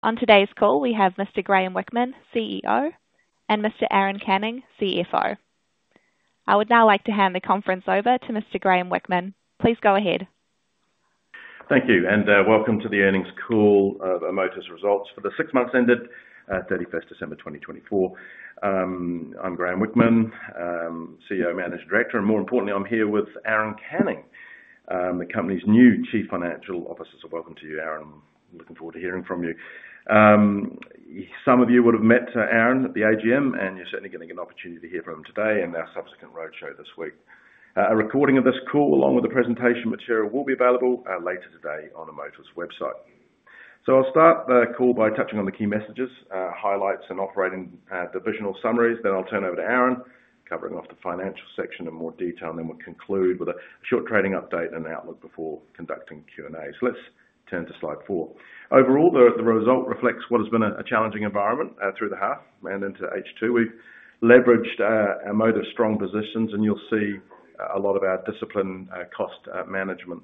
On today's call, we have Mr. Graeme Whickman, CEO, and Mr. Aaron Canning, CFO. I would now like to hand the conference over to Mr. Graeme Whickman. Please go ahead. Thank you, and welcome to the earnings call of Amotiv's results for the six months ended 31st December 2024. I'm Graeme Whickman, CEO, Managing Director, and more importantly, I'm here with Aaron Canning, the company's new Chief Financial Officer. So welcome to you, Aaron. I'm looking forward to hearing from you. Some of you would have met Aaron at the AGM, and you're certainly getting an opportunity to hear from him today and our subsequent roadshow this week. A recording of this call, along with the presentation material, will be available later today on Amotiv's website. So I'll start the call by touching on the key messages, highlights, and operating divisional summaries. Then I'll turn over to Aaron covering off the financial section in more detail, and then we'll conclude with a short trading update and an outlook before conducting Q&A. So let's turn to slide four. Overall, the result reflects what has been a challenging environment through the half and into H2. We've leveraged Amotiv's strong positions, and you'll see a lot of our disciplined cost management.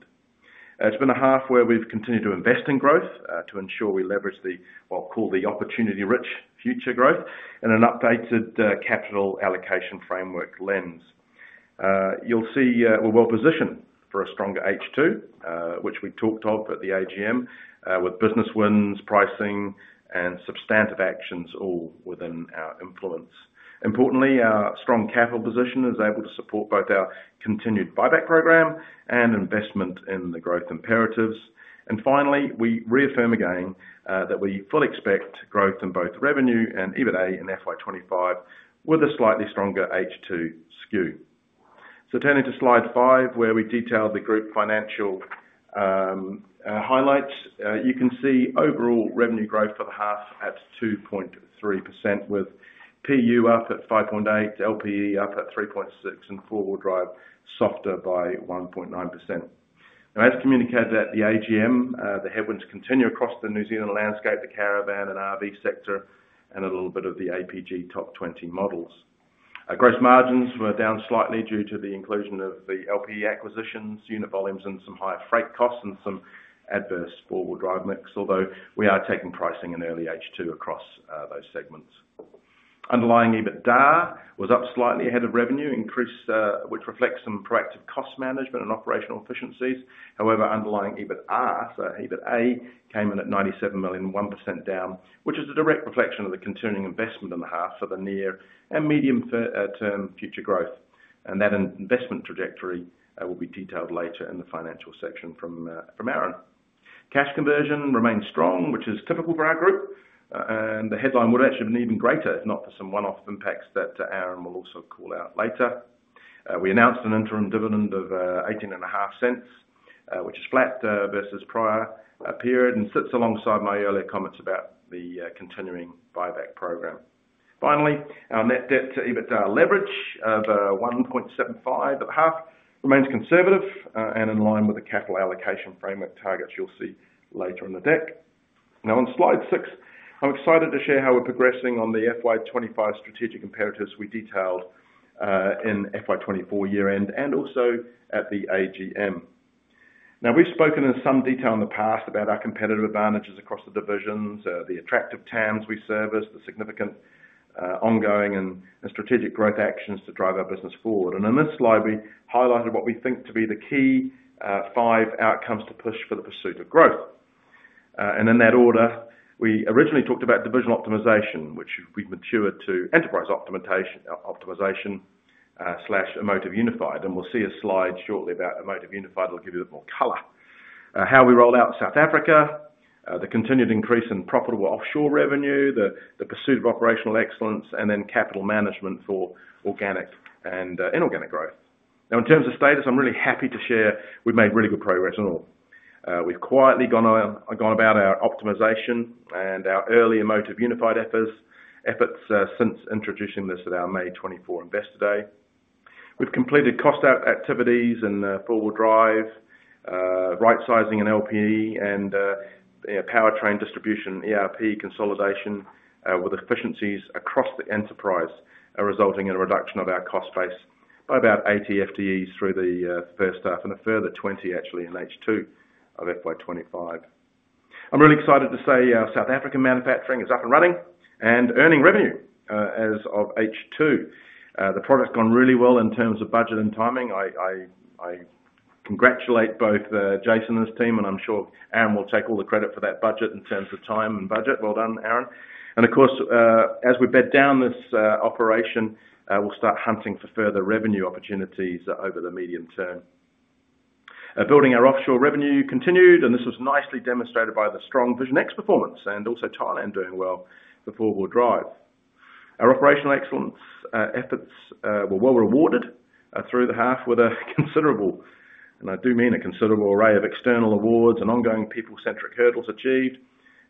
It's been a half where we've continued to invest in growth to ensure we leverage the, what I'll call, the opportunity-rich future growth in an updated capital allocation framework lens. You'll see we're well positioned for a stronger H2, which we talked of at the AGM, with business wins, pricing, and substantive actions all within our influence. Importantly, our strong capital position is able to support both our continued buyback program and investment in the growth imperatives. And finally, we reaffirm again that we fully expect growth in both revenue and EBITDA in FY 2025 with a slightly stronger H2 skew. Turning to slide five, where we detailed the group financial highlights, you can see overall revenue growth for the half at 2.3%, with PU up at 5.8%, LPE up at 3.6%, and 4WD softer by 1.9%. Now, as communicated at the AGM, the headwinds continue across the New Zealand landscape, the caravan and RV sector, and a little bit of the APG top 20 models. Gross margins were down slightly due to the inclusion of the LPE acquisitions, unit volumes, and some higher freight costs and some adverse 4WD mix, although we are taking pricing in early H2 across those segments. Underlying EBITDA was up slightly ahead of revenue, which reflects some proactive cost management and operational efficiencies. However, underlying EBITA, so EBITA, came in at 97 million, 1% down, which is a direct reflection of the continuing investment in the half for the near and medium-term future growth, and that investment trajectory will be detailed later in the financial section from Aaron. Cash conversion remained strong, which is typical for our group, and the headline would have actually been even greater if not for some one-off impacts that Aaron will also call out later. We announced an interim dividend of 0.185, which is flat versus prior period and sits alongside my earlier comments about the continuing buyback program. Finally, our net debt to EBITDA leverage of 1.75 at the half remains conservative and in line with the capital allocation framework targets you'll see later in the deck. Now, on slide six, I'm excited to share how we're progressing on the FY 2025 strategic imperatives we detailed in FY 2024 year-end and also at the AGM. Now, we've spoken in some detail in the past about our competitive advantages across the divisions, the attractive TAMs we service, the significant ongoing and strategic growth actions to drive our business forward. And in this slide, we highlighted what we think to be the key five outcomes to push for the pursuit of growth. And in that order, we originally talked about divisional optimization, which we've matured to enterprise optimization/Amotiv Unified. And we'll see a slide shortly about Amotiv Unified. It'll give you a bit more color. How we rolled out South Africa, the continued increase in profitable offshore revenue, the pursuit of operational excellence, and then capital management for organic and inorganic growth. Now, in terms of status, I'm really happy to share we've made really good progress in all. We've quietly gone about our optimization and our early Amotiv Unified efforts since introducing this at our May 24 Investor Day. We've completed cost activities and 4WD, right-sizing in LPE and Powertrain distribution, ERP consolidation with efficiencies across the enterprise, resulting in a reduction of our cost base by about 80 FTEs through the first half and a further 20, actually, in H2 of FY 2025. I'm really excited to say South African manufacturing is up and running and earning revenue as of H2. The product's gone really well in terms of budget and timing. I congratulate both Jason and his team, and I'm sure Aaron will take all the credit for that budget in terms of time and budget. Well done, Aaron. Of course, as we bed down this operation, we'll start hunting for further revenue opportunities over the medium term. Building our offshore revenue continued, and this was nicely demonstrated by the strong Vision X performance and also Thailand doing well for 4WD. Our operational excellence efforts were well rewarded through the half with a considerable, and I do mean a considerable array of external awards and ongoing people-centric hurdles achieved.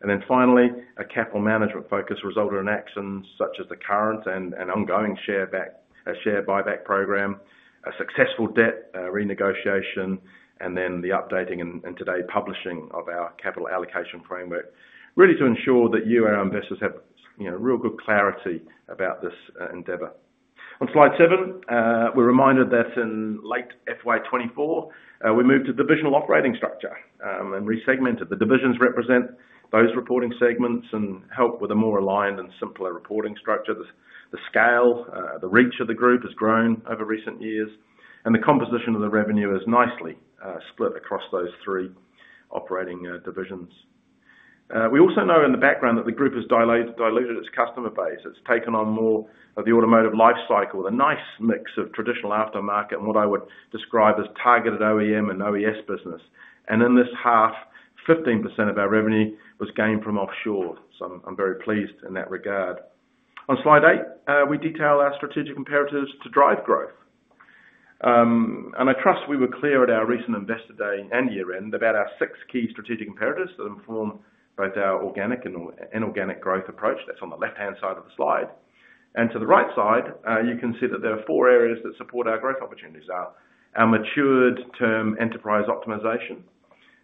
Then finally, a capital management focus resulted in actions such as the current and ongoing share buyback program, a successful debt renegotiation, and then the updating and today publishing of our capital allocation framework, really to ensure that you, our investors, have real good clarity about this endeavor. On slide seven, we're reminded that in late FY 2024, we moved to divisional operating structure and resegmented the divisions that represent those reporting segments and help with a more aligned and simpler reporting structure. The scale, the reach of the group has grown over recent years, and the composition of the revenue is nicely split across those three operating divisions. We also know in the background that the group has diluted its customer base. It's taken on more of the automotive life cycle, the nice mix of traditional aftermarket and what I would describe as targeted OEM and OES business. And in this half, 15% of our revenue was gained from offshore. So I'm very pleased in that regard. On slide eight, we detail our strategic imperatives to drive growth. I trust we were clear at our recent Investor Day and year-end about our six key strategic imperatives that inform both our organic and inorganic growth approach. That's on the left-hand side of the slide. To the right side, you can see that there are four areas that support our growth opportunities: our mature-term enterprise optimization,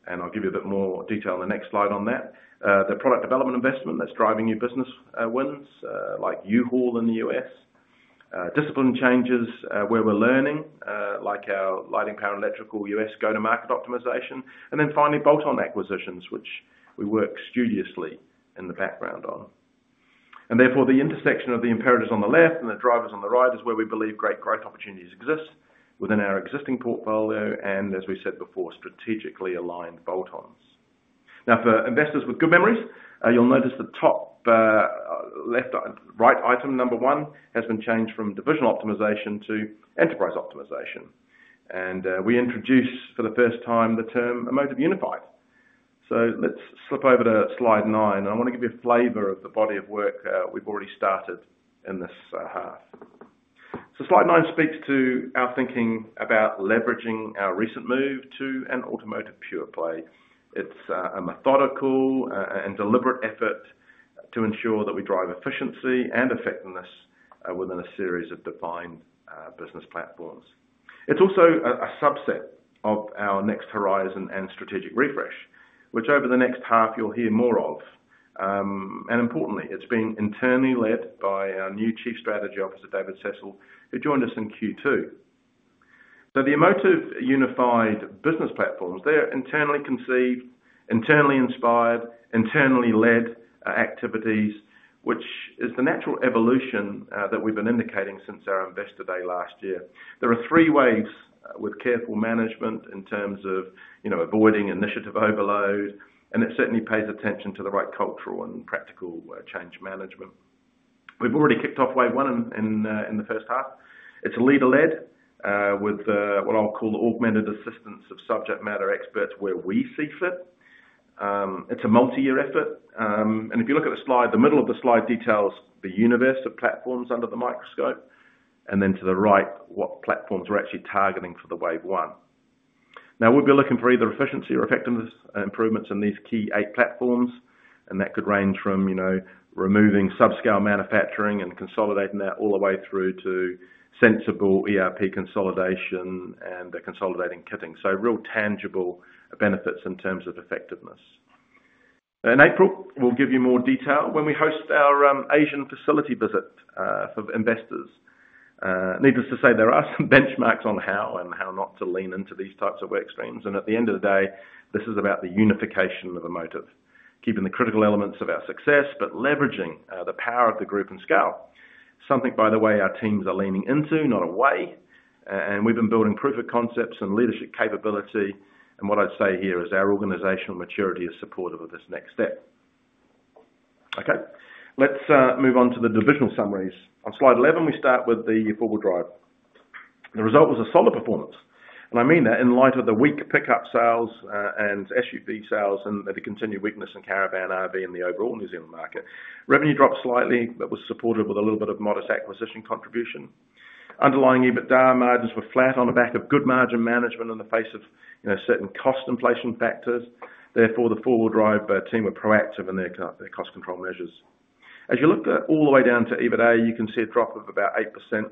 and I'll give you a bit more detail on the next slide on that; the product development investment that's driving new business wins like U-Haul in the U.S.; disciplined changes where we're learning, like our Lighting Power Electrical U.S. go-to-market optimization; and then finally, bolt-on acquisitions, which we work studiously in the background on. Therefore, the intersection of the imperatives on the left and the drivers on the right is where we believe great growth opportunities exist within our existing portfolio and, as we said before, strategically aligned bolt-ons. Now, for investors with good memories, you'll notice the top right item number one has been changed from divisional optimization to enterprise optimization, and we introduce for the first time the term Amotiv Unified, so let's slip over to slide nine, and I want to give you a flavor of the body of work we've already started in this half, so slide nine speaks to our thinking about leveraging our recent move to an automotive pure play. It's a methodical and deliberate effort to ensure that we drive efficiency and effectiveness within a series of defined business platforms. It's also a subset of our next horizon and strategic refresh, which over the next half you'll hear more of, and importantly, it's been internally led by our new Chief Strategy Officer, David Cecil, who joined us in Q2. So the Amotiv Unified business platforms, they're internally conceived, internally inspired, internally led activities, which is the natural evolution that we've been indicating since our Investor Day last year. There are three waves with careful management in terms of avoiding initiative overload, and it certainly pays attention to the right cultural and practical change management. We've already kicked off wave one in the first half. It's leader-led with what I'll call the augmented assistance of subject matter experts where we see fit. It's a multi-year effort. And if you look at the slide, the middle of the slide details the universe of platforms under the microscope, and then to the right, what platforms we're actually targeting for the wave one. Now, we'll be looking for either efficiency or effectiveness improvements in these key eight platforms, and that could range from removing subscale manufacturing and consolidating that all the way through to sensible ERP consolidation and consolidating kitting. So real tangible benefits in terms of effectiveness. In April, we'll give you more detail when we host our Asian facility visit for investors. Needless to say, there are some benchmarks on how and how not to lean into these types of work streams. And at the end of the day, this is about the unification of Amotiv, keeping the critical elements of our success, but leveraging the power of the group and scale. Something, by the way, our teams are leaning into, not away. And we've been building proof of concepts and leadership capability. And what I'd say here is our organizational maturity is supportive of this next step. Okay. Let's move on to the divisional summaries. On slide 11, we start with the 4WD. The result was a solid performance, and I mean that in light of the weak pickup sales and SUV sales and the continued weakness in caravan RV in the overall New Zealand market. Revenue dropped slightly, but was supported with a little bit of modest acquisition contribution. Underlying EBITDA margins were flat on the back of good margin management in the face of certain cost inflation factors. Therefore, the 4WD team were proactive in their cost control measures. As you look all the way down to EBITDA, you can see a drop of about 8%,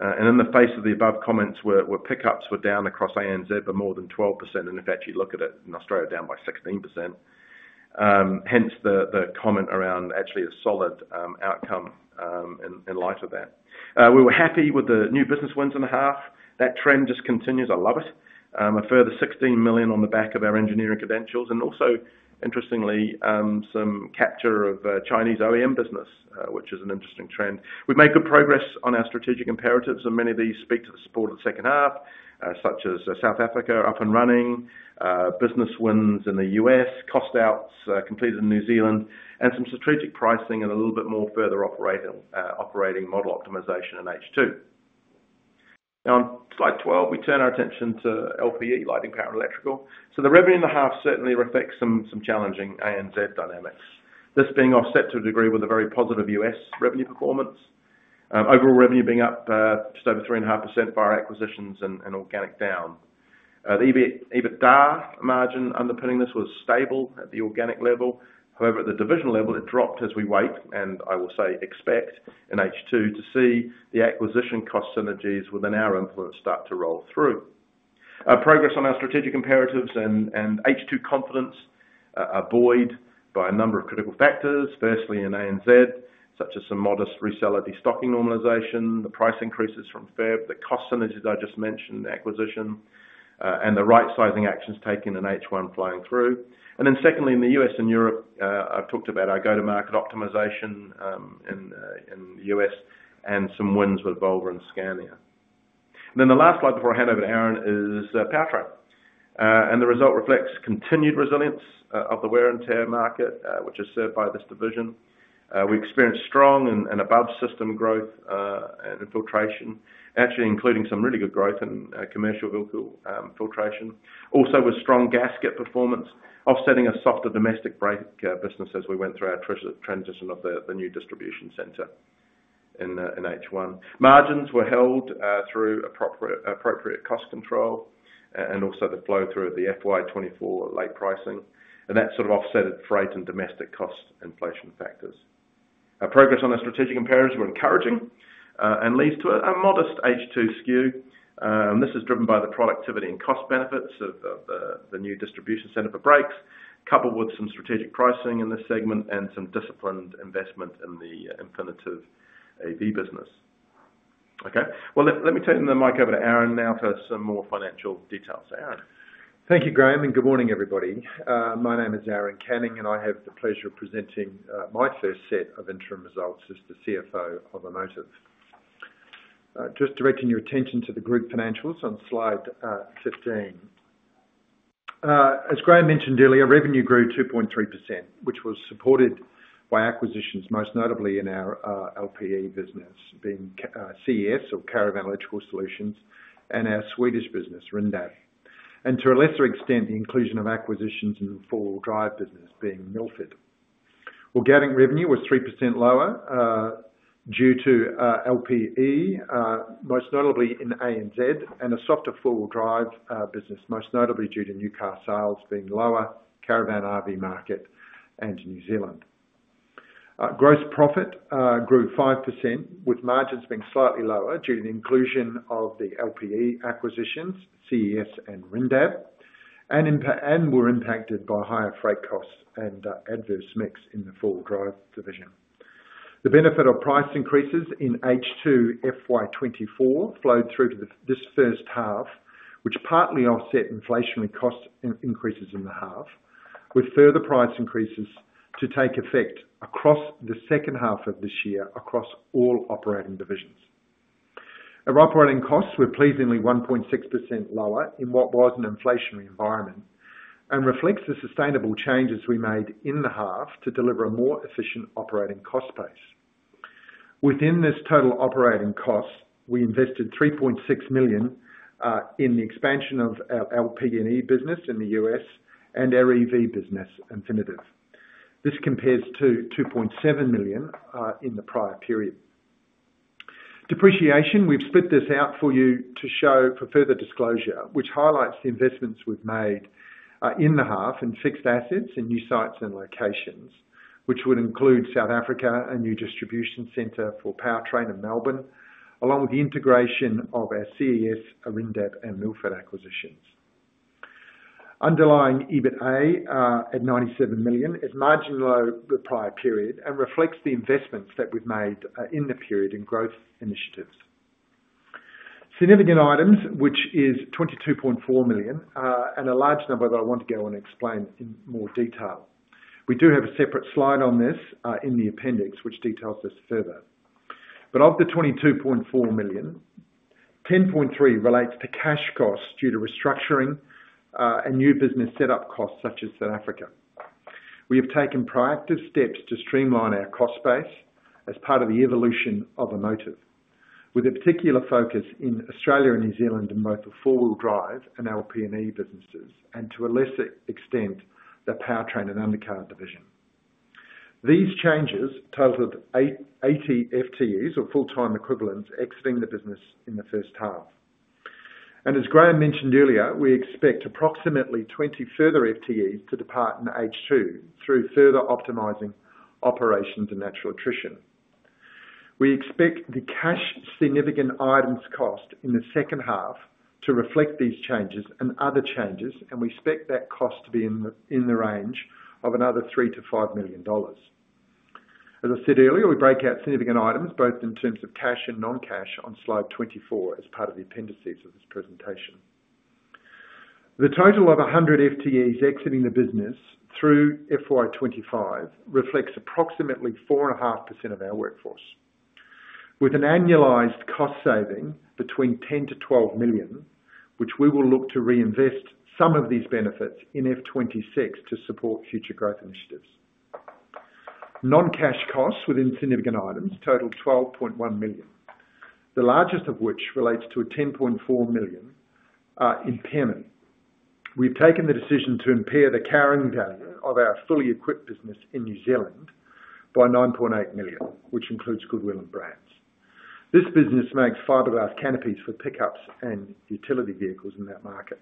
and in the face of the above comments, where pickups were down across ANZ by more than 12%, and if you actually look at it in Australia, down by 16%. Hence the comment around actually a solid outcome in light of that. We were happy with the new business wins in the half. That trend just continues. I love it. A further 16 million on the back of our engineering credentials. And also, interestingly, some capture of Chinese OEM business, which is an interesting trend. We've made good progress on our strategic imperatives, and many of these speak to the support of the second half, such as South Africa up and running, business wins in the US, cost outs completed in New Zealand, and some strategic pricing and a little bit more further operating model optimization in H2. Now, on slide 12, we turn our attention to LPE, lighting power and electrical. So the revenue in the half certainly reflects some challenging ANZ dynamics, this being offset to a degree with a very positive U.S. revenue performance, overall revenue being up just over 3.5% for our acquisitions and organic down. The EBITDA margin underpinning this was stable at the organic level. However, at the divisional level, it dropped as we wait, and I will say expect in H2 to see the acquisition cost synergies within our influence start to roll through. Progress on our strategic imperatives and H2 confidence are buoyed by a number of critical factors, firstly in ANZ, such as some modest reseller destocking normalization, the price increases from February, the cost synergies I just mentioned, acquisition, and the right-sizing actions taken in H1 flowing through. And then secondly, in the U.S. and Europe, I've talked about our go-to-market optimization in the U.S. and some wins with Volvo and Scania. The last slide before I hand over to Aaron is Powertrain. The result reflects continued resilience of the wear and tear market, which is served by this division. We experienced strong and above-system growth and penetration, actually including some really good growth in commercial vehicle penetration. Also with strong gasket performance, offsetting a softer domestic brake business as we went through our transition of the new distribution center in H1. Margins were held through appropriate cost control and also the flow through the FY 2024 late pricing. And that sort of offset freight and domestic cost inflation factors. Progress on our strategic imperatives were encouraging and leads to a modest H2 skew. This is driven by the productivity and cost benefits of the new distribution center for brakes, coupled with some strategic pricing in this segment and some disciplined investment in the Infinitev EV business. Okay. Let me turn the mic over to Aaron now for some more financial details. Aaron. Thank you, Graeme, and good morning, everybody. My name is Aaron Canning, and I have the pleasure of presenting my first set of interim results as the CFO of Amotiv. Just directing your attention to the group financials on slide 15. As Graeme mentioned earlier, revenue grew 2.3%, which was supported by acquisitions, most notably in our LPE business being CES or Caravan Electrical Solutions and our Swedish business, Rindab. And to a lesser extent, the inclusion of acquisitions in the four-wheel drive business being Milford. Underlying revenue was 3% lower due to LPE, most notably in ANZ, and a softer four-wheel drive business, most notably due to new car sales being lower, caravan RV market, and New Zealand. Gross profit grew 5%, with margins being slightly lower due to the inclusion of the LPE acquisitions, CES, and Rindab, and were impacted by higher freight costs and adverse mix in the four-wheel drive division. The benefit of price increases in H2 FY 2024 flowed through to this first half, which partly offset inflationary cost increases in the half, with further price increases to take effect across the second half of this year across all operating divisions. Our operating costs were pleasingly 1.6% lower in what was an inflationary environment and reflects the sustainable changes we made in the half to deliver a more efficient operating cost base. Within this total operating cost, we invested 3.6 million in the expansion of our LPE business in the US and our EV business, Infinitev. This compares to 2.7 million in the prior period. Depreciation, we've split this out for you to show for further disclosure, which highlights the investments we've made in the half in fixed assets and new sites and locations, which would include South Africa and new distribution center for Powertrain in Melbourne, along with the integration of our CES, Rindab, and Milford acquisitions. Underlying EBITA at 97 million is marginally lower than the prior period and reflects the investments that we've made in the period in growth initiatives. Significant items, which is 22.4 million, and a large number that I want to go and explain in more detail. We do have a separate slide on this in the appendix, which details this further. But of the 22.4 million, 10.3 million relates to cash costs due to restructuring and new business setup costs such as South Africa. We have taken proactive steps to streamline our cost base as part of the evolution of Amotiv, with a particular focus in Australia and New Zealand in both the four-wheel drive and our LPE businesses, and to a lesser extent, the powertrain and undercar division. These changes totaled 80 FTEs or full-time equivalents exiting the business in the first half. And as Graeme mentioned earlier, we expect approximately 20 further FTEs to depart in H2 through further optimizing operations and natural attrition. We expect the cash significant items cost in the second half to reflect these changes and other changes, and we expect that cost to be in the range of another 3 million-5 million dollars. As I said earlier, we break out significant items both in terms of cash and non-cash on slide 24 as part of the appendices of this presentation. The total of 100 FTEs exiting the business through FY 2025 reflects approximately 4.5% of our workforce, with an annualized cost saving between 10-12 million, which we will look to reinvest some of these benefits in FY 2026 to support future growth initiatives. Non-cash costs within significant items totaled 12.1 million, the largest of which relates to a 10.4 million impairment. We've taken the decision to impair the carrying value of our Fully Equipped business in New Zealand by 9.8 million, which includes Goodwill and Brands. This business makes fiberglass canopies for pickups and utility vehicles in that market.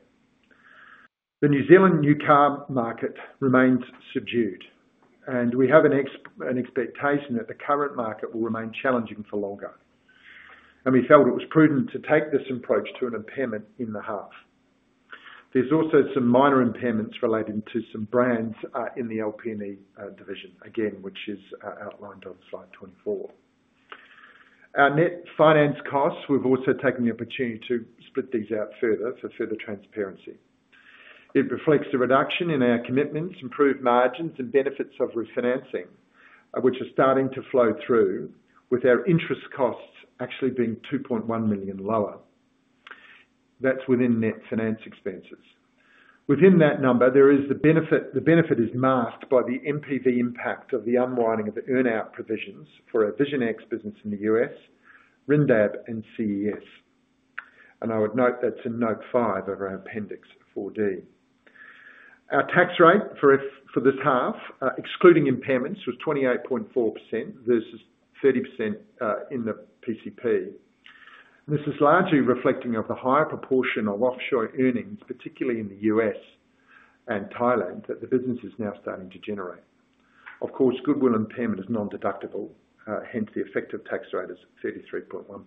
The New Zealand new car market remains subdued, and we have an expectation that the current market will remain challenging for longer. We felt it was prudent to take this approach to an impairment in the half. There's also some minor impairments relating to some brands in the LPE division, again, which is outlined on slide 24. Our net finance costs, we've also taken the opportunity to split these out further for further transparency. It reflects the reduction in our commitments, improved margins, and benefits of refinancing, which are starting to flow through, with our interest costs actually being 2.1 million lower. That's within net finance expenses. Within that number, there is, the benefit is masked by the NPV impact of the unwinding of the earnout provisions for our Vision X business in the US, Rindab, and CES. I would note that's in note five of our appendix 4D. Our tax rate for this half, excluding impairments, was 28.4% versus 30% in the PCP. This is largely reflecting the higher proportion of offshore earnings, particularly in the U.S. and Thailand, that the business is now starting to generate. Of course, goodwill impairment is non-deductible. Hence, the effective tax rate is 33.1%.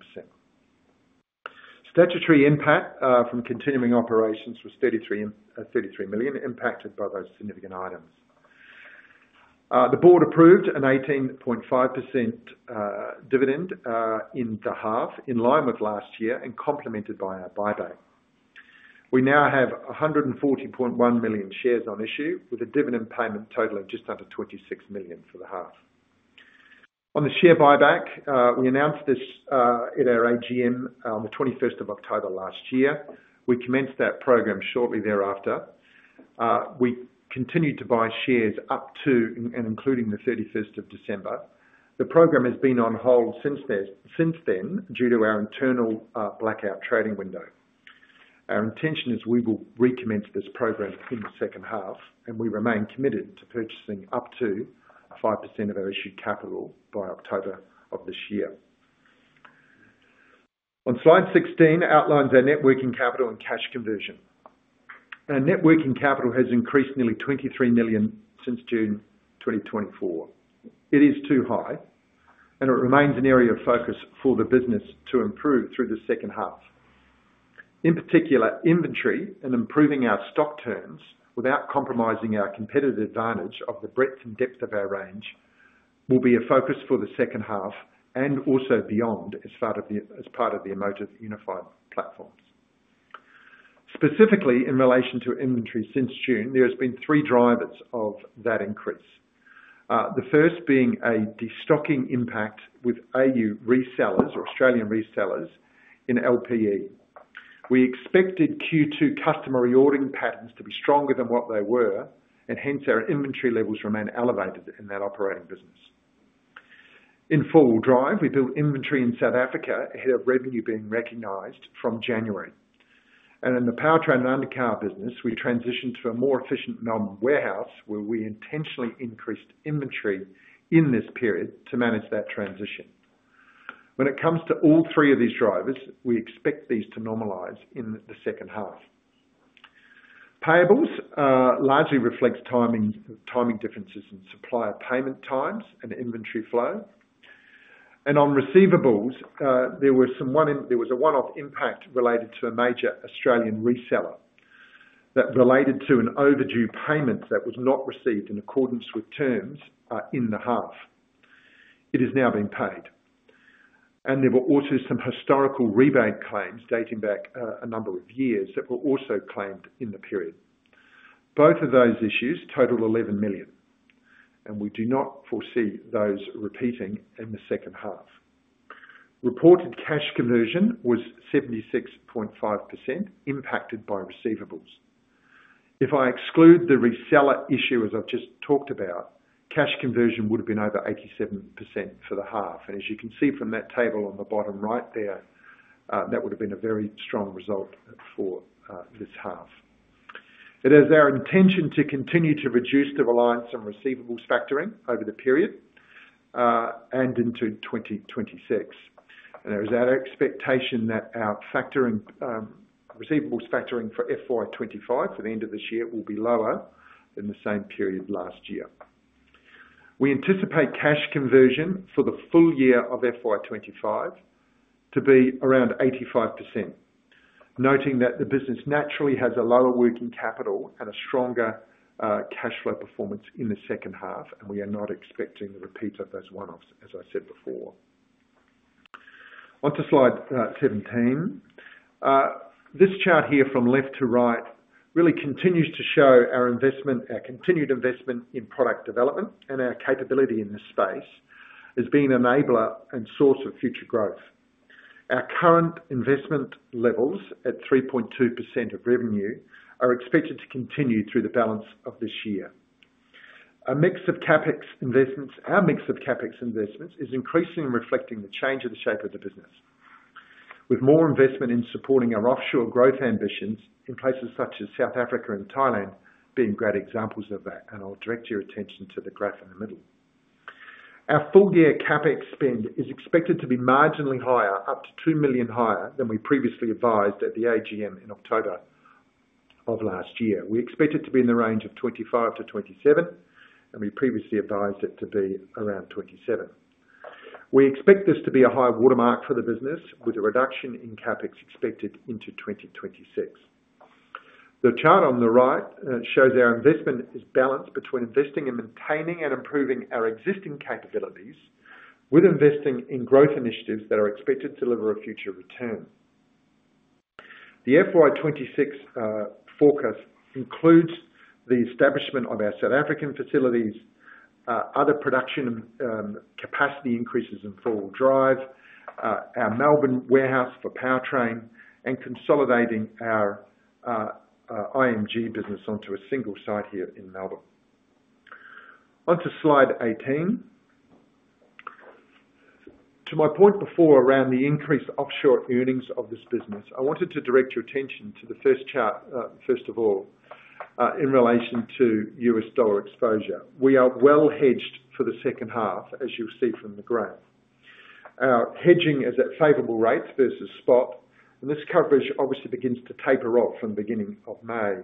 Statutory impact from continuing operations was 33 million impacted by those significant items. The board approved an 18.5% dividend in the half in line with last year and complemented by our buyback. We now have 140.1 million shares on issue, with a dividend payment totaling just under 26 million for the half. On the share buyback, we announced this at our AGM on the 21st of October last year. We commenced that program shortly thereafter. We continued to buy shares up to and including the 31st of December. The program has been on hold since then due to our internal blackout trading window. Our intention is we will recommence this program in the second half, and we remain committed to purchasing up to 5% of our issued capital by October of this year. On slide 16 outlines our net working capital and cash conversion. Our net working capital has increased nearly 23 million since June 2024. It is too high, and it remains an area of focus for the business to improve through the second half. In particular, inventory and improving our stock turns without compromising our competitive advantage of the breadth and depth of our range will be a focus for the second half and also beyond as part of the Amotiv Unified platforms. Specifically, in relation to inventory since June, there have been three drivers of that increase, the first being a destocking impact with AU resellers or Australian resellers in LPE. We expected Q2 customer reordering patterns to be stronger than what they were, and hence our inventory levels remain elevated in that operating business. In four-wheel drive, we built inventory in South Africa, ahead of revenue being recognized from January. In the powertrain and undercar business, we transitioned to a more efficient non-warehouse, where we intentionally increased inventory in this period to manage that transition. When it comes to all three of these drivers, we expect these to normalize in the second half. Payables largely reflects timing differences in supplier payment times and inventory flow. On receivables, there was a one-off impact related to a major Australian reseller that related to an overdue payment that was not received in accordance with terms in the half. It has now been paid. There were also some historical rebate claims dating back a number of years that were also claimed in the period. Both of those issues totaled 11 million, and we do not foresee those repeating in the second half. Reported cash conversion was 76.5%, impacted by receivables. If I exclude the reseller issue, as I've just talked about, cash conversion would have been over 87% for the half. As you can see from that table on the bottom right there, that would have been a very strong result for this half. It is our intention to continue to reduce the reliance on receivables factoring over the period and into 2026. It is our expectation that our receivables factoring for FY 2025 for the end of this year will be lower than the same period last year. We anticipate cash conversion for the full year of FY 2025 to be around 85%, noting that the business naturally has a lower working capital and a stronger cash flow performance in the second half, and we are not expecting the repeat of those one-offs, as I said before. Onto slide 17. This chart here from left to right really continues to show our continued investment in product development and our capability in this space as being an enabler and source of future growth. Our current investment levels at 3.2% of revenue are expected to continue through the balance of this year. Our mix of CapEx investments is increasingly reflecting the change of the shape of the business, with more investment in supporting our offshore growth ambitions in places such as South Africa and Thailand being great examples of that. And I'll direct your attention to the graph in the middle. Our full-year CapEx spend is expected to be marginally higher, up to 2 million higher than we previously advised at the AGM in October of last year. We expect it to be in the range of 25 million-27 million, and we previously advised it to be around 27 million. We expect this to be a high watermark for the business, with a reduction in CapEx expected into 2026. The chart on the right shows our investment is balanced between investing in maintaining and improving our existing capabilities, with investing in growth initiatives that are expected to deliver a future return. The FY 2026 forecast includes the establishment of our South African facilities, other production capacity increases in four-wheel drive, our Melbourne warehouse for powertrain, and consolidating our IMG business onto a single site here in Melbourne. Onto slide 18. To my point before around the increased offshore earnings of this business, I wanted to direct your attention to the first chart, first of all, in relation to U.S. dollar exposure. We are well hedged for the second half, as you'll see from the graph. Our hedging is at favorable rates versus spot, and this coverage obviously begins to taper off from the beginning of May.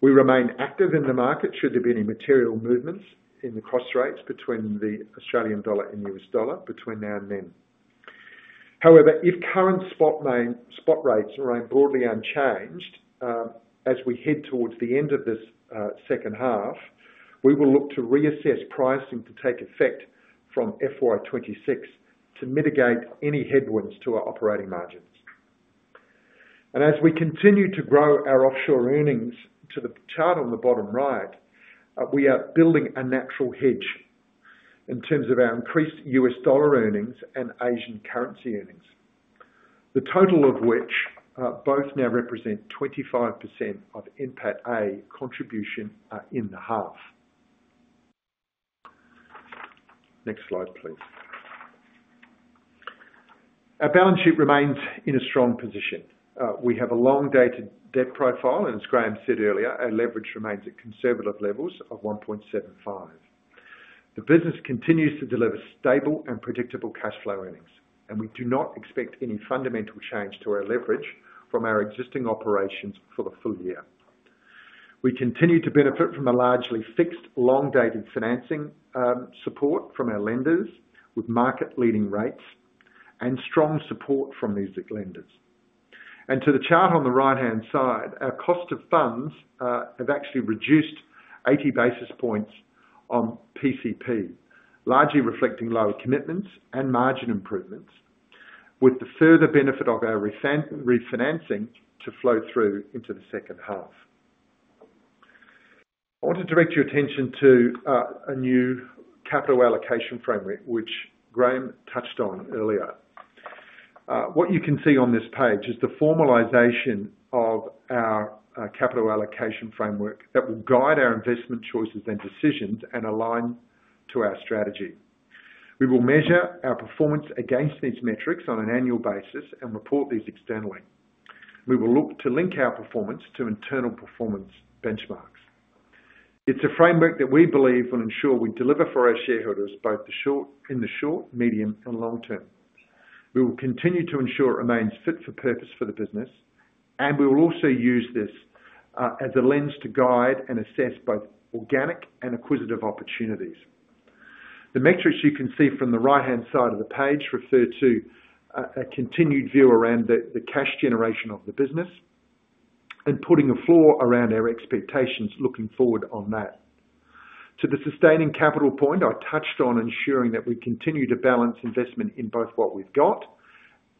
We remain active in the market should there be any material movements in the cross rates between the Australian dollar and U.S. dollar between now and then. However, if current spot rates remain broadly unchanged as we head towards the end of this second half, we will look to reassess pricing to take effect from FY 2026 to mitigate any headwinds to our operating margins. As we continue to grow our offshore earnings to the chart on the bottom right, we are building a natural hedge in terms of our increased U.S. dollar earnings and Asian currency earnings, the total of which both now represent 25% of EBITA contribution in the half. Next slide, please. Our balance sheet remains in a strong position. We have a long-dated debt profile, and as Graeme said earlier, our leverage remains at conservative levels of 1.75. The business continues to deliver stable and predictable cash flow earnings, and we do not expect any fundamental change to our leverage from our existing operations for the full year. We continue to benefit from a largely fixed, long-dated financing support from our lenders with market-leading rates and strong support from these lenders. And to the chart on the right-hand side, our cost of funds have actually reduced 80 basis points on PCP, largely reflecting lower commitments and margin improvements, with the further benefit of our refinancing to flow through into the second half. I want to direct your attention to a new capital allocation framework, which Graeme touched on earlier. What you can see on this page is the formalization of our capital allocation framework that will guide our investment choices and decisions and align to our strategy. We will measure our performance against these metrics on an annual basis and report these externally. We will look to link our performance to internal performance benchmarks. It's a framework that we believe will ensure we deliver for our shareholders both in the short, medium, and long term. We will continue to ensure it remains fit for purpose for the business, and we will also use this as a lens to guide and assess both organic and acquisitive opportunities. The metrics you can see from the right-hand side of the page refer to a continued view around the cash generation of the business and putting a floor around our expectations looking forward on that. To the sustaining capital point, I touched on ensuring that we continue to balance investment in both what we've got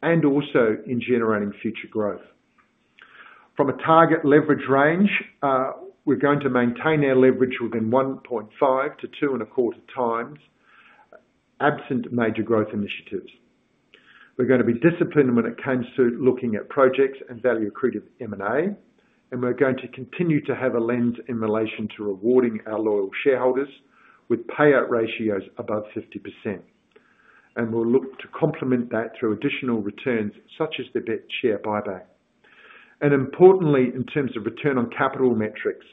and also in generating future growth. From a target leverage range, we're going to maintain our leverage within 1.5 to 2 and a quarter times absent major growth initiatives. We're going to be disciplined when it comes to looking at projects and value-accretive M&A, and we're going to continue to have a lens in relation to rewarding our loyal shareholders with payout ratios above 50%. And we'll look to complement that through additional returns such as the bet share buyback. And importantly, in terms of return on capital metrics,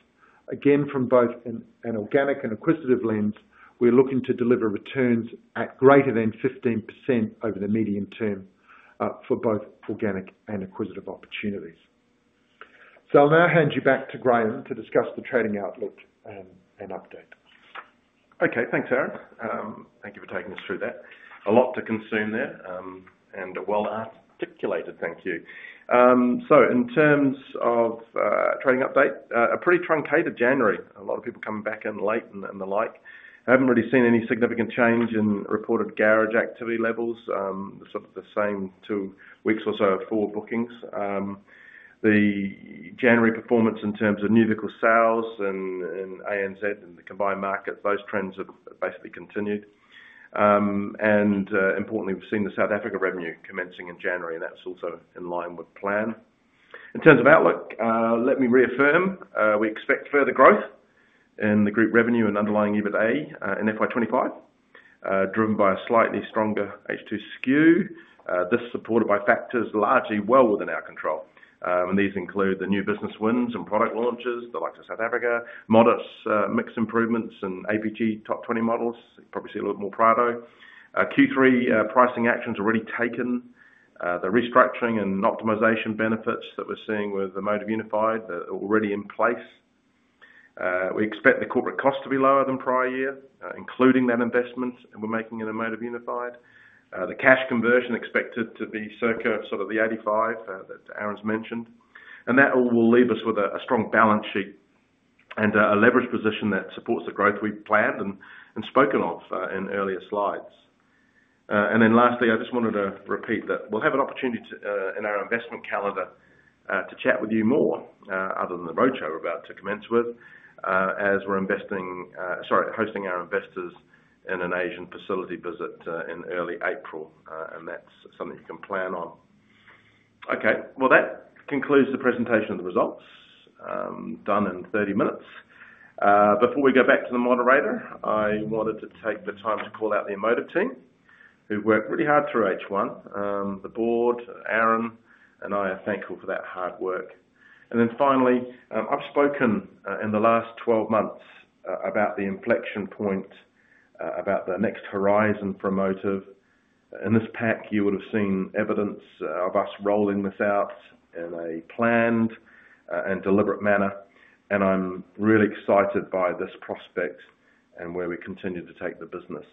again, from both an organic and acquisitive lens, we're looking to deliver returns at greater than 15% over the medium term for both organic and acquisitive opportunities. So I'll now hand you back to Graeme to discuss the trading outlook and update. Okay, thanks, Aaron. Thank you for taking us through that. A lot to consume there and a well-articulated thank you. So in terms of trading update, a pretty truncated January. A lot of people coming back in late and the like. Haven't really seen any significant change in reported garage activity levels. The same two weeks or so of forward bookings. The January performance in terms of new vehicle sales and ANZ and the combined market, those trends have basically continued. And importantly, we've seen the South Africa revenue commencing in January, and that's also in line with plan. In terms of outlook, let me reaffirm we expect further growth in the group revenue and underlying EBITDA in FY 2025, driven by a slightly stronger H2 SKU. This is supported by factors largely well within our control. And these include the new business wins and product launches, the likes of South Africa, modest mix improvements and APG top 20 models. You probably see a little bit more Prado. Q3 pricing actions are already taken. The restructuring and optimization benefits that we're seeing with Amotiv Unified are already in place. We expect the corporate cost to be lower than prior year, including that investment we're making in Amotiv Unified. The cash conversion expected to be circa sort of the 85% that Aaron's mentioned. And that will leave us with a strong balance sheet and a leverage position that supports the growth we've planned and spoken of in earlier slides. And then lastly, I just wanted to repeat that we'll have an opportunity in our investment calendar to chat with you more other than the roadshow we're about to commence with as we're hosting our investors in an Asian facility visit in early April, and that's something you can plan on. Okay, well, that concludes the presentation of the results. Done in 30 minutes. Before we go back to the moderator, I wanted to take the time to call out the Amotiv team who've worked really hard through H1. The board, Aaron, and I are thankful for that hard work. And then finally, I've spoken in the last 12 months about the inflection point, about the next horizon for Amotiv. In this pack, you would have seen evidence of us rolling this out in a planned and deliberate manner, and I'm really excited by this prospect and where we continue to take the business.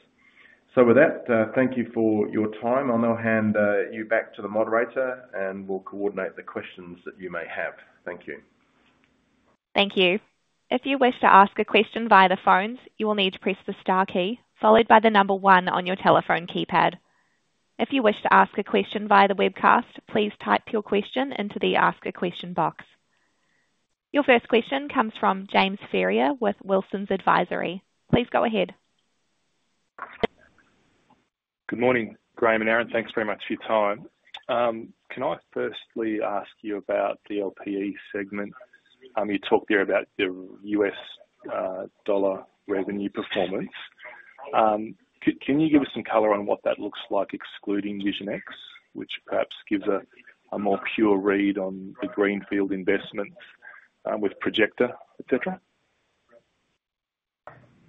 So with that, thank you for your time. I'll now hand you back to the moderator, and we'll coordinate the questions that you may have. Thank you. Thank you. If you wish to ask a question via the phones, you will need to press the star key followed by the number one on your telephone keypad. If you wish to ask a question via the webcast, please type your question into the ask a question box. Your first question comes from James Ferrier with Wilsons Advisory. Please go ahead. Good morning, Graeme and Aaron. Thanks very much for your time. Can I firstly ask you about the LPE segment? You talked there about the U.S. dollar revenue performance. Can you give us some color on what that looks like, excluding Vision X, which perhaps gives a more pure read on the greenfield investments with Projecta, etc.?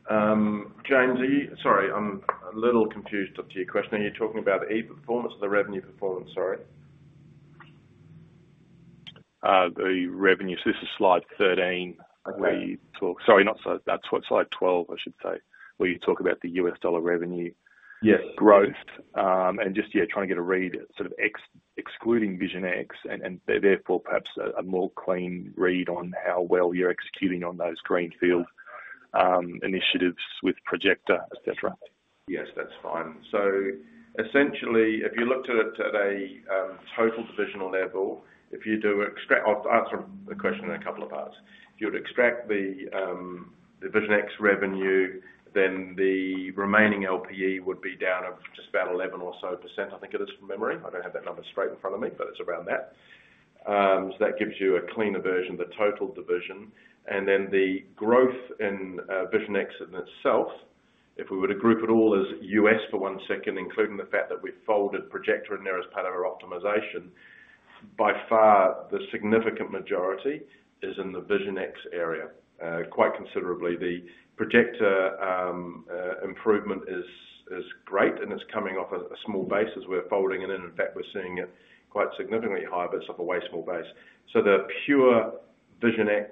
James, sorry, I'm a little confused as to your question. Are you talking about the E performance or the revenue performance? Sorry. The revenue. So this is slide 13 where you talk, sorry, not slide 12, I should say, where you talk about the U.S. dollar revenue growth and just, yeah, trying to get a read sort of excluding Vision X and therefore perhaps a more clean read on how well you're executing on those greenfield initiatives with Projecta, etc. Yes, that's fine. So essentially, if you looked at a total divisional level, I'll answer the question in a couple of parts. If you were to extract the Vision X revenue, then the remaining LPE would be down of just about 11% or so, I think it is, from memory. I don't have that number straight in front of me, but it's around that. So that gives you a cleaner version, the total division. And then the growth in Vision X in itself, if we were to group it all as U.S. for one second, including the fact that we've folded Projecta in there as part of our optimization, by far the significant majority is in the Vision X area, quite considerably. The Projecta improvement is great, and it's coming off a small base as we're folding it in. In fact, we're seeing it quite significantly higher, but it's off a way small base. So the pure Vision X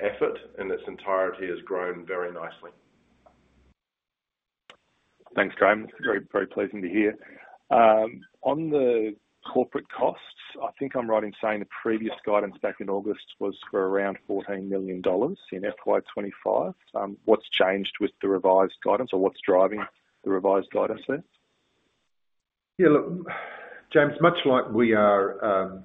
effort in its entirety has grown very nicely. Thanks, Graeme. It's very pleasing to hear. On the corporate costs, I think I'm right in saying the previous guidance back in August was for around 14 million dollars in FY 2025. What's changed with the revised guidance, or what's driving the revised guidance there? Yeah, look, James, much like we are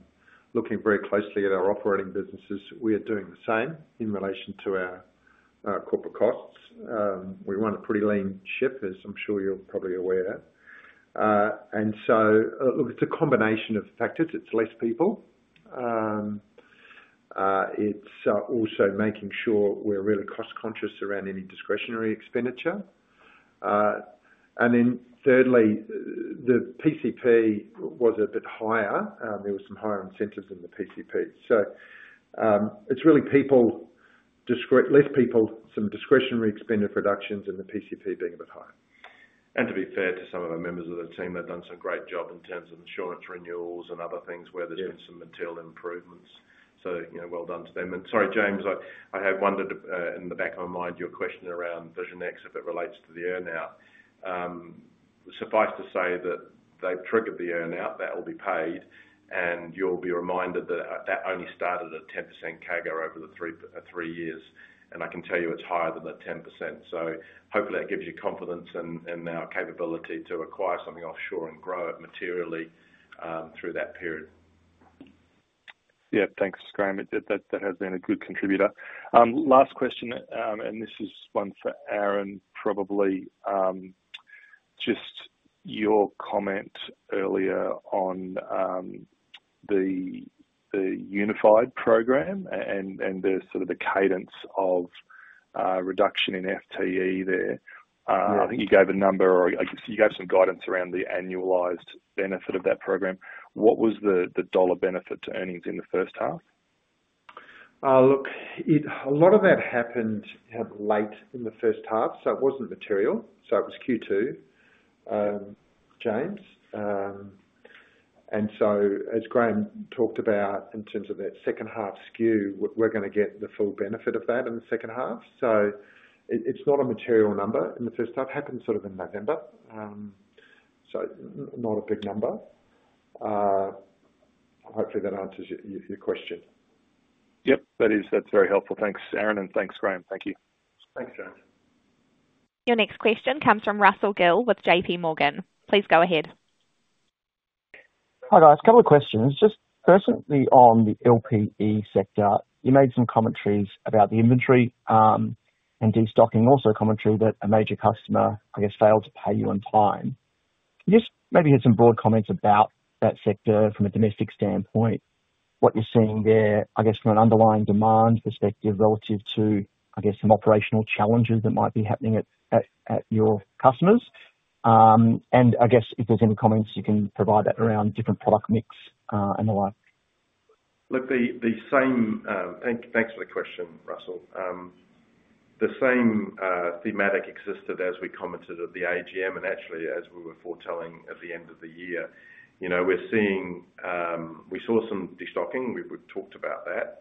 looking very closely at our operating businesses, we are doing the same in relation to our corporate costs. We run a pretty lean ship, as I'm sure you're probably aware of. And so, look, it's a combination of factors. It's less people. It's also making sure we're really cost-conscious around any discretionary expenditure. And then thirdly, the PCP was a bit higher. There were some higher incentives in the PCP. So it's really people, less people, some discretionary expenditure reductions in the PCP being a bit higher. And to be fair to some of our members of the team, they've done some great job in terms of insurance renewals and other things where there's been some material improvements. So well done to them. Sorry, James, I had wondered in the back of my mind your question around Vision X if it relates to the earnout. Suffice to say that they've triggered the earnout. That will be paid, and you'll be reminded that that only started at 10% CAGR over the three years. I can tell you it's higher than the 10%. Hopefully that gives you confidence in our capability to acquire something offshore and grow it materially through that period. Yeah, thanks, Graeme. That has been a good contributor. Last question, and this is one for Aaron, probably just your comment earlier on the unified program and sort of the cadence of reduction in FTE there. I think you gave a number, or I guess you gave some guidance around the annualized benefit of that program. What was the dollar benefit to earnings in the first half? Look, a lot of that happened late in the first half, so it wasn't material. So it was Q2, James, and so as Graeme talked about in terms of that second-half SKU, we're going to get the full benefit of that in the second half, so it's not a material number in the first half. It happened sort of in November, so not a big number. Hopefully that answers your question. Yep, that is very helpful. Thanks, Aaron, and thanks, Graeme. Thank you. Thanks, James. Your next question comes from Russell Gill with J.P. Morgan. Please go ahead. Hi, guys. Couple of questions. Just personally on the LPE sector, you made some commentaries about the inventory and destocking, also commentary that a major customer, I guess, failed to pay you on time. Just maybe had some broad comments about that sector from a domestic standpoint, what you're seeing there, I guess, from an underlying demand perspective relative to, I guess, some operational challenges that might be happening at your customers, and I guess if there's any comments, you can provide that around different product mix and the like. Look, the same. Thanks for the question, Russell. The same thematic existed as we commented at the AGM and actually as we were foretelling at the end of the year. We saw some destocking. We talked about that,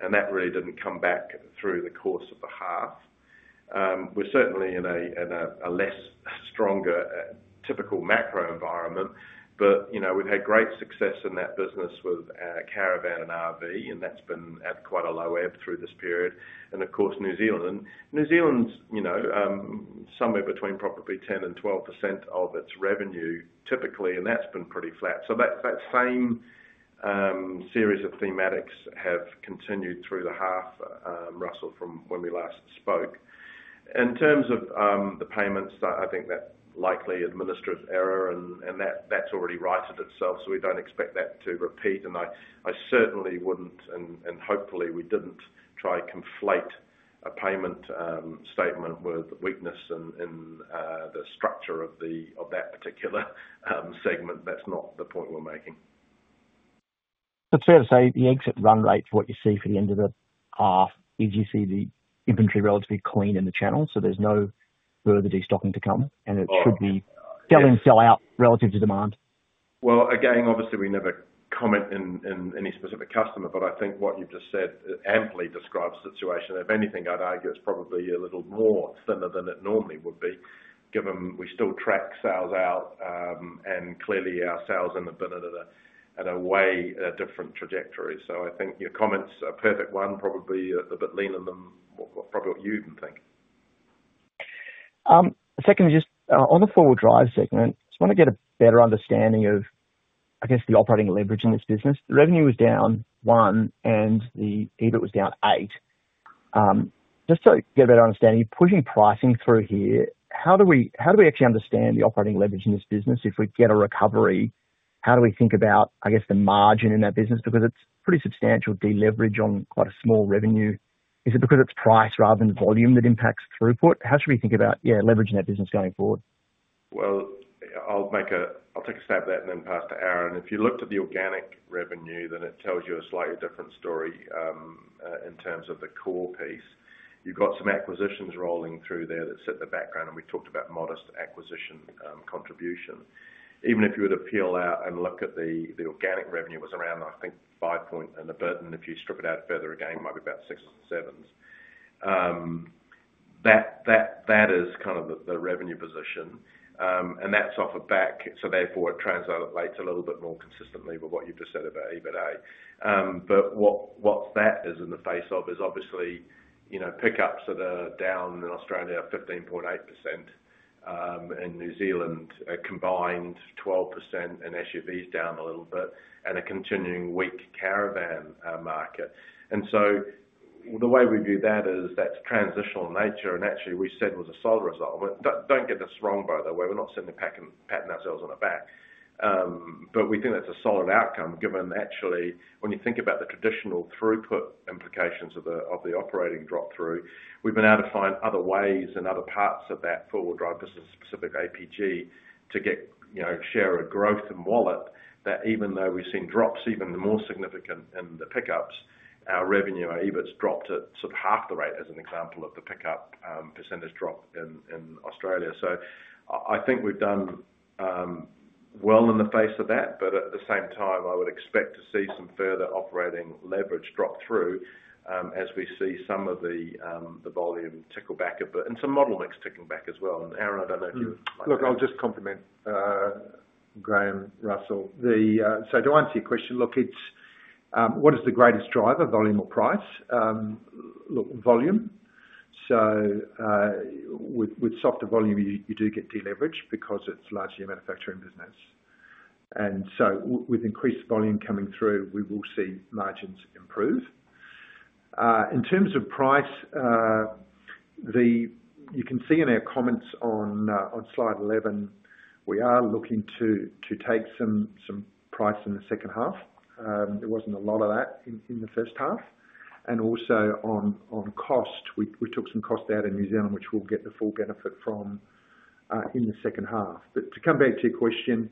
and that really didn't come back through the course of the half. We're certainly in a less stronger typical macro environment, but we've had great success in that business with Caravan and RV, and that's been at quite a low ebb through this period, and of course New Zealand. New Zealand's somewhere between probably 10% and 12% of its revenue typically, and that's been pretty flat, so that same series of thematics have continued through the half, Russell, from when we last spoke. In terms of the payments, I think that likely administrative error, and that's already righted itself, so we don't expect that to repeat. I certainly wouldn't, and hopefully we didn't, try to conflate a payment statement with weakness in the structure of that particular segment. That's not the point we're making. It's fair to say the exit run rate for what you see for the end of the half is you see the inventory relatively clean in the channel, so there's no further destocking to come, and it should be sell in, sell out relative to demand. Again, obviously we never comment on any specific customer, but I think what you've just said amply describes the situation. If anything, I'd argue it's probably a little more thinner than it normally would be, given we still track sales out, and clearly our sales in the bank are on a very different trajectory. Your comments are a perfect one, probably a bit leaner than probably what you even think. Secondly, just on the 4WD segment, I just want to get a better understanding of, I guess, the operating leverage in this business. The revenue was down 1%, and the EBIT was down 8%. Just to get a better understanding, you're pushing pricing through here. How do we actually understand the operating leverage in this business? If we get a recovery, how do we think about, I guess, the margin in that business? Because it's pretty substantial deleverage on quite a small revenue. Is it because it's price rather than volume that impacts throughput? How should we think about, yeah, leveraging that business going forward? I'll take a stab at that and then pass to Aaron. If you looked at the organic revenue, then it tells you a slightly different story in terms of the core piece. You've got some acquisitions rolling through there that sit in the background, and we talked about modest acquisition contribution. Even if you were to peel out and look at the organic revenue, it was around, I think, five point and a bit, and if you strip it out further again, it might be about six sevens. That is kind of the revenue position, and that's off a back, so therefore it translates a little bit more consistently with what you've just said about EBITA. But what that is in the face of is obviously pickups that are down in Australia at 15.8%, in New Zealand a combined 12%, and SUVs down a little bit, and a continuing weak caravan market. And so the way we view that is that's transitional in nature, and actually we said it was a solid result. Don't get us wrong, by the way. We're not sitting here patting ourselves on the back, but we think that's a solid outcome given actually when you think about the traditional throughput implications of the operating drop-through. We've been able to find other ways and other parts of that four-wheel drive, this is a specific APG, to share a growth in wallet that even though we've seen drops even more significant in the pickups, our revenue, our EBITs dropped at sort of half the rate as an example of the pickup percentage drop in Australia. So I think we've done well in the face of that, but at the same time, I would expect to see some further operating leverage drop through as we see some of the volume trickle back a bit and some model mix ticking back as well. And Aaron, I don't know if you'd like to. Look, I'll just compliment Graeme, Russell. So to answer your question, look, what is the greatest driver? Volume or price? Look, volume. So with softer volume, you do get deleverage because it's largely a manufacturing business. And so with increased volume coming through, we will see margins improve. In terms of price, you can see in our comments on slide 11, we are looking to take some price in the second half. There wasn't a lot of that in the first half. And also on cost, we took some cost out in New Zealand, which we'll get the full benefit from in the second half. But to come back to your question,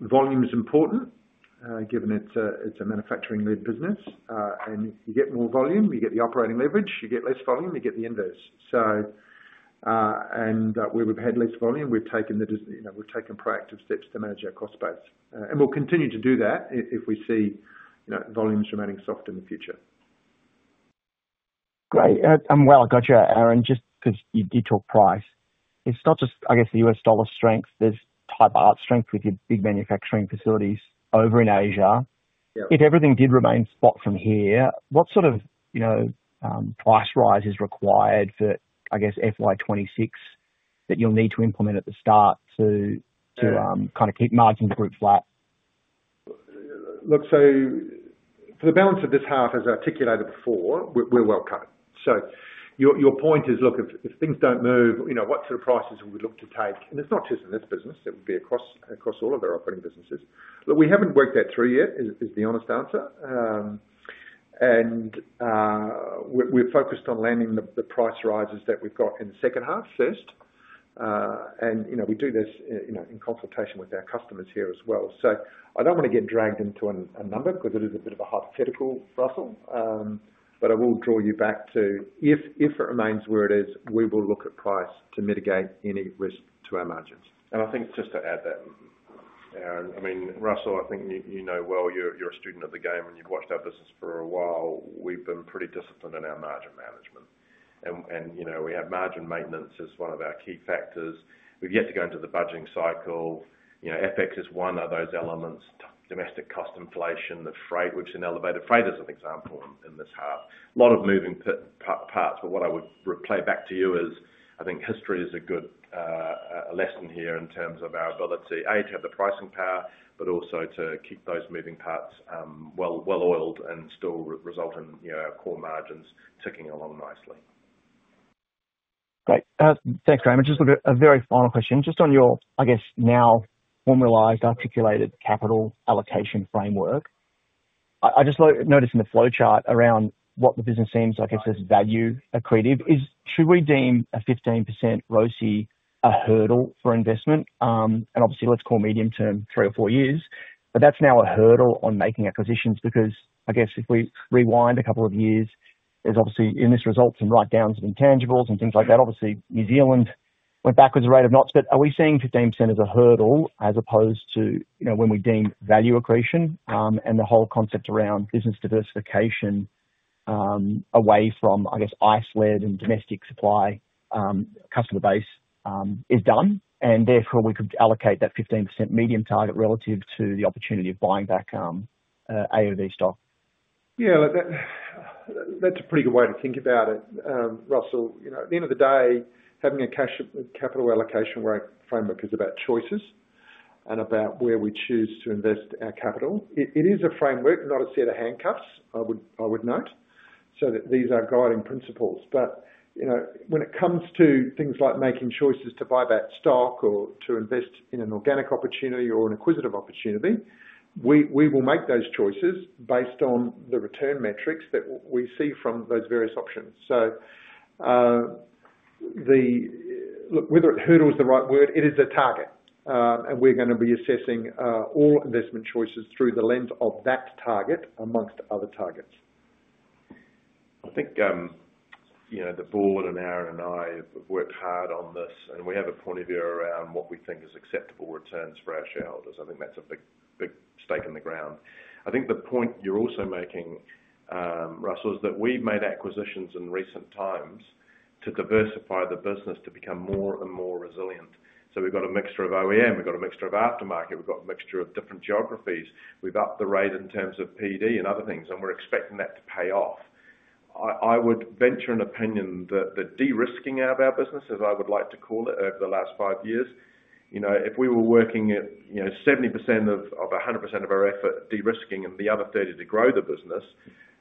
volume is important given it's a manufacturing-led business, and you get more volume, you get the operating leverage, you get less volume, you get the inverse. And where we've had less volume, we've taken proactive steps to manage our cost base. We'll continue to do that if we see volumes remaining soft in the future. Great. Well, I've got you, Aaron, just because you did talk price. It's not just, I guess, the U.S. dollar strength. There's Thai baht strength with your big manufacturing facilities over in Asia. If everything did remain static from here, what sort of price rise is required for, I guess, FY 2026 that you'll need to implement at the start to kind of keep margins roughly flat? Look, so for the balance of this half, as I articulated before, we're well cut. So your point is, look, if things don't move, what sort of prices would we look to take? And it's not just in this business. It would be across all of our operating businesses. Look, we haven't worked that through yet is the honest answer. And we're focused on landing the price rises that we've got in the second half first. And we do this in consultation with our customers here as well. So I don't want to get dragged into a number because it is a bit of a hypothetical, Russell, but I will draw you back to if it remains where it is, we will look at price to mitigate any risk to our margins. And I think just to add that, Aaron, I mean, Russell, I think you know well. You're a student of the game, and you've watched our business for a while. We've been pretty disciplined in our margin management, and we have margin maintenance as one of our key factors. We've yet to go into the budgeting cycle. FX is one of those elements. Domestic cost inflation, the freight, which is an elevated freight, is an example in this half. A lot of moving parts, but what I would play back to you is I think history is a good lesson here in terms of our ability, A, to have the pricing power, but also to keep those moving parts well oiled and still result in our core margins ticking along nicely. Great. Thanks, Graeme. Just a very final question. Just on your, I guess, now formalized, articulated capital allocation framework, I just noticed in the flow chart around what the business seems, I guess, as value accretive. Should we deem a 15% ROSI a hurdle for investment? And obviously, let's call medium term three or four years, but that's now a hurdle on making acquisitions because, I guess, if we rewind a couple of years, there's obviously in this result some write-downs of intangibles and things like that. Obviously, New Zealand went backwards a rate of knots, but are we seeing 15% as a hurdle as opposed to when we deem value accretion and the whole concept around business diversification away from, I guess, ICE-led and domestic supply customer base is done? And therefore, we could allocate that 15% medium target relative to the opportunity of buying back AOV stock? Yeah, that's a pretty good way to think about it, Russell. At the end of the day, having a cash capital allocation framework is about choices and about where we choose to invest our capital. It is a framework, not a set of handcuffs, I would note, so that these are guiding principles. But when it comes to things like making choices to buy back stock or to invest in an organic opportunity or an acquisitive opportunity, we will make those choices based on the return metrics that we see from those various options. So look, whether hurdle is the right word, it is a target, and we're going to be assessing all investment choices through the lens of that target amongst other targets. I think the board and Aaron and I have worked hard on this, and we have a point of view around what we think is acceptable returns for our shareholders. I think that's a big stake in the ground. I think the point you're also making, Russell, is that we've made acquisitions in recent times to diversify the business to become more and more resilient, so we've got a mixture of OEM, we've got a mixture of aftermarket, we've got a mixture of different geographies. We've upped the rate in terms of PD and other things, and we're expecting that to pay off. I would venture an opinion that the de-risking of our business, as I would like to call it, over the last five years, if we were working at 70% of 100% of our effort de-risking and the other 30% to grow the business,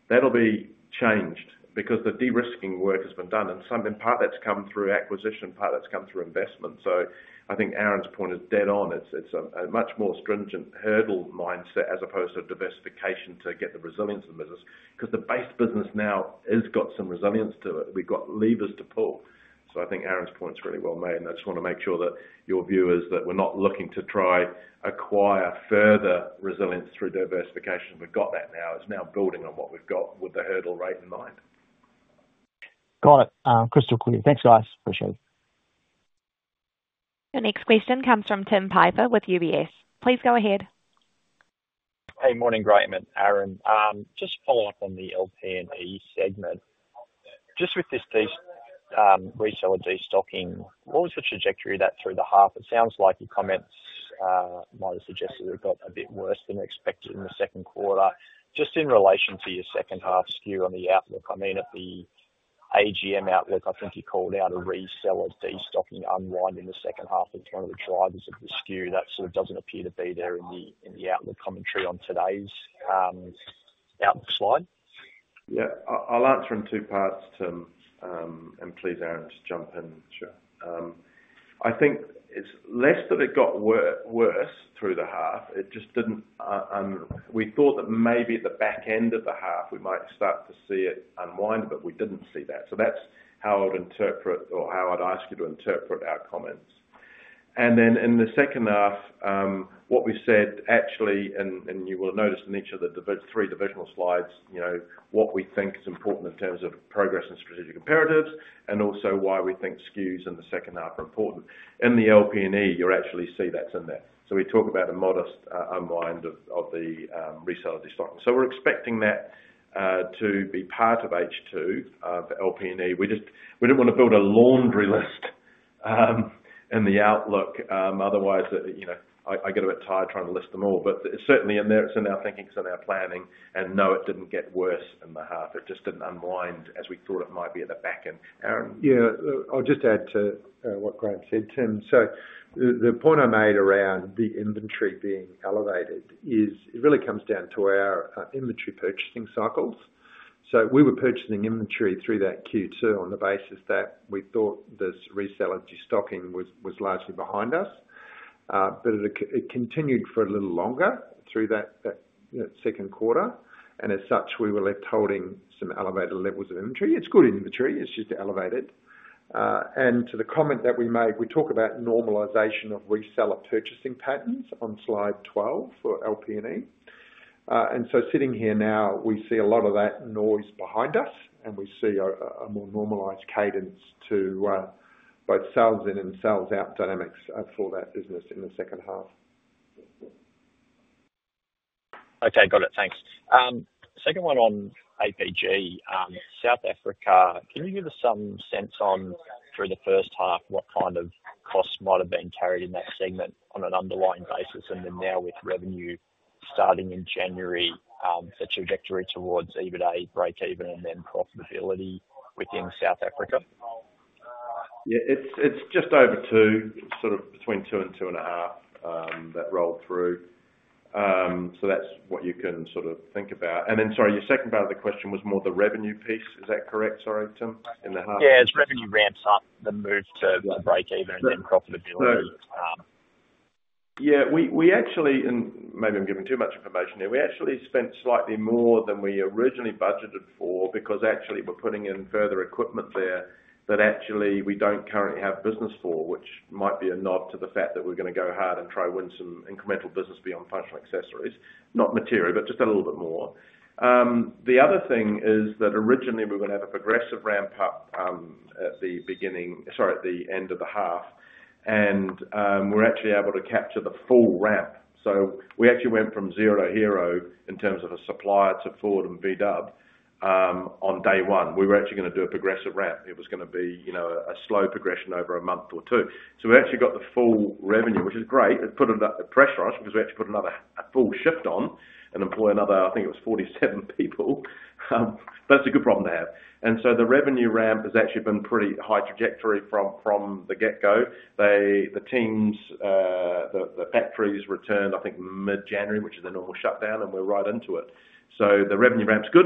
that'll be changed because the de-risking work has been done, and in part, that's come through acquisition, part that's come through investment. So I think Aaron's point is dead on. It's a much more stringent hurdle mindset as opposed to diversification to get the resilience in the business because the base business now has got some resilience to it. We've got levers to pull. So I think Aaron's point's really well made, and I just want to make sure that your view is that we're not looking to try to acquire further resilience through diversification. We've got that now. It's now building on what we've got with the hurdle rate in mind. Got it. Crystal clear. Thanks, guys. Appreciate it. The next question comes from Tim Piper with UBS. Please go ahead. Hey, morning, Graeme, and Aaron. Just to follow up on the LPE segment. Just with this restocking, what was the trajectory of that through the half? It sounds like your comments might have suggested it got a bit worse than expected in the second quarter. Just in relation to your second half skew on the outlook, I mean, at the AGM outlook, I think you called out a reseller destocking unwind in the second half as one of the drivers of the skew. That sort of doesn't appear to be there in the outlook commentary on today's outlook slide. Yeah, I'll answer in two parts, Tim, and please, Aaron, just jump in. Sure. I think it's less that it got worse through the half. It just didn't. We thought that maybe at the back end of the half, we might start to see it unwind, but we didn't see that. So that's how I'd interpret or how I'd ask you to interpret our comments. And then in the second half, what we said actually, and you will have noticed in each of the three divisional slides, what we think is important in terms of progress and strategic imperatives and also why we think skews in the second half are important. In the LPE, you'll actually see that's in there. So we talk about a modest unwind of the reseller destocking. So we're expecting that to be part of H2 of LPE. We didn't want to build a laundry list in the outlook. Otherwise, I get a bit tired trying to list them all, but it's certainly in there. It's in our thinking, it's in our planning, and no, it didn't get worse in the half. It just didn't unwind as we thought it might be at the back end. Aaron? Yeah, I'll just add to what Graeme said, Tim. So the point I made around the inventory being elevated is it really comes down to our inventory purchasing cycles. So we were purchasing inventory through that Q2 on the basis that we thought this reseller destocking was largely behind us, but it continued for a little longer through that second quarter. And as such, we were left holding some elevated levels of inventory. It's good inventory. It's just elevated. To the comment that we made, we talk about normalization of reseller purchasing patterns on slide 12 for LPE. So sitting here now, we see a lot of that noise behind us, and we see a more normalized cadence to both sales in and sales out dynamics for that business in the second half. Okay, got it. Thanks. Second one on APG, South Africa, can you give us some sense on through the first half what kind of costs might have been carried in that segment on an underlying basis? And then now with revenue starting in January, the trajectory towards EBITA, breakeven, and then profitability within South Africa? Yeah, it's just over two, sort of between two and two and a half that rolled through. So that's what you can sort of think about. And then, sorry, your second part of the question was more the revenue piece. Is that correct, sorry, Tim? In the half? Yeah, it's revenue ramps up the move to breakeven and then profitability. Yeah, we actually, and maybe I'm giving too much information here, we actually spent slightly more than we originally budgeted for because actually we're putting in further equipment there that actually we don't currently have business for, which might be a nod to the fact that we're going to go hard and try to win some incremental business beyond functional accessories, not material, but just a little bit more. The other thing is that originally we were going to have a progressive ramp up at the beginning, sorry, at the end of the half, and we're actually able to capture the full ramp, so we actually went from zero hero in terms of a supplier to Ford and VW on day one. We were actually going to do a progressive ramp. It was going to be a slow progression over a month or two, so we actually got the full revenue, which is great. It put a pressure on us because we actually put another full shift on and employed another, I think it was 47 people. But it's a good problem to have. And so the revenue ramp has actually been pretty high trajectory from the get-go. The teams, the factories returned, I think, mid-January, which is the normal shutdown, and we're right into it. So the revenue ramp's good.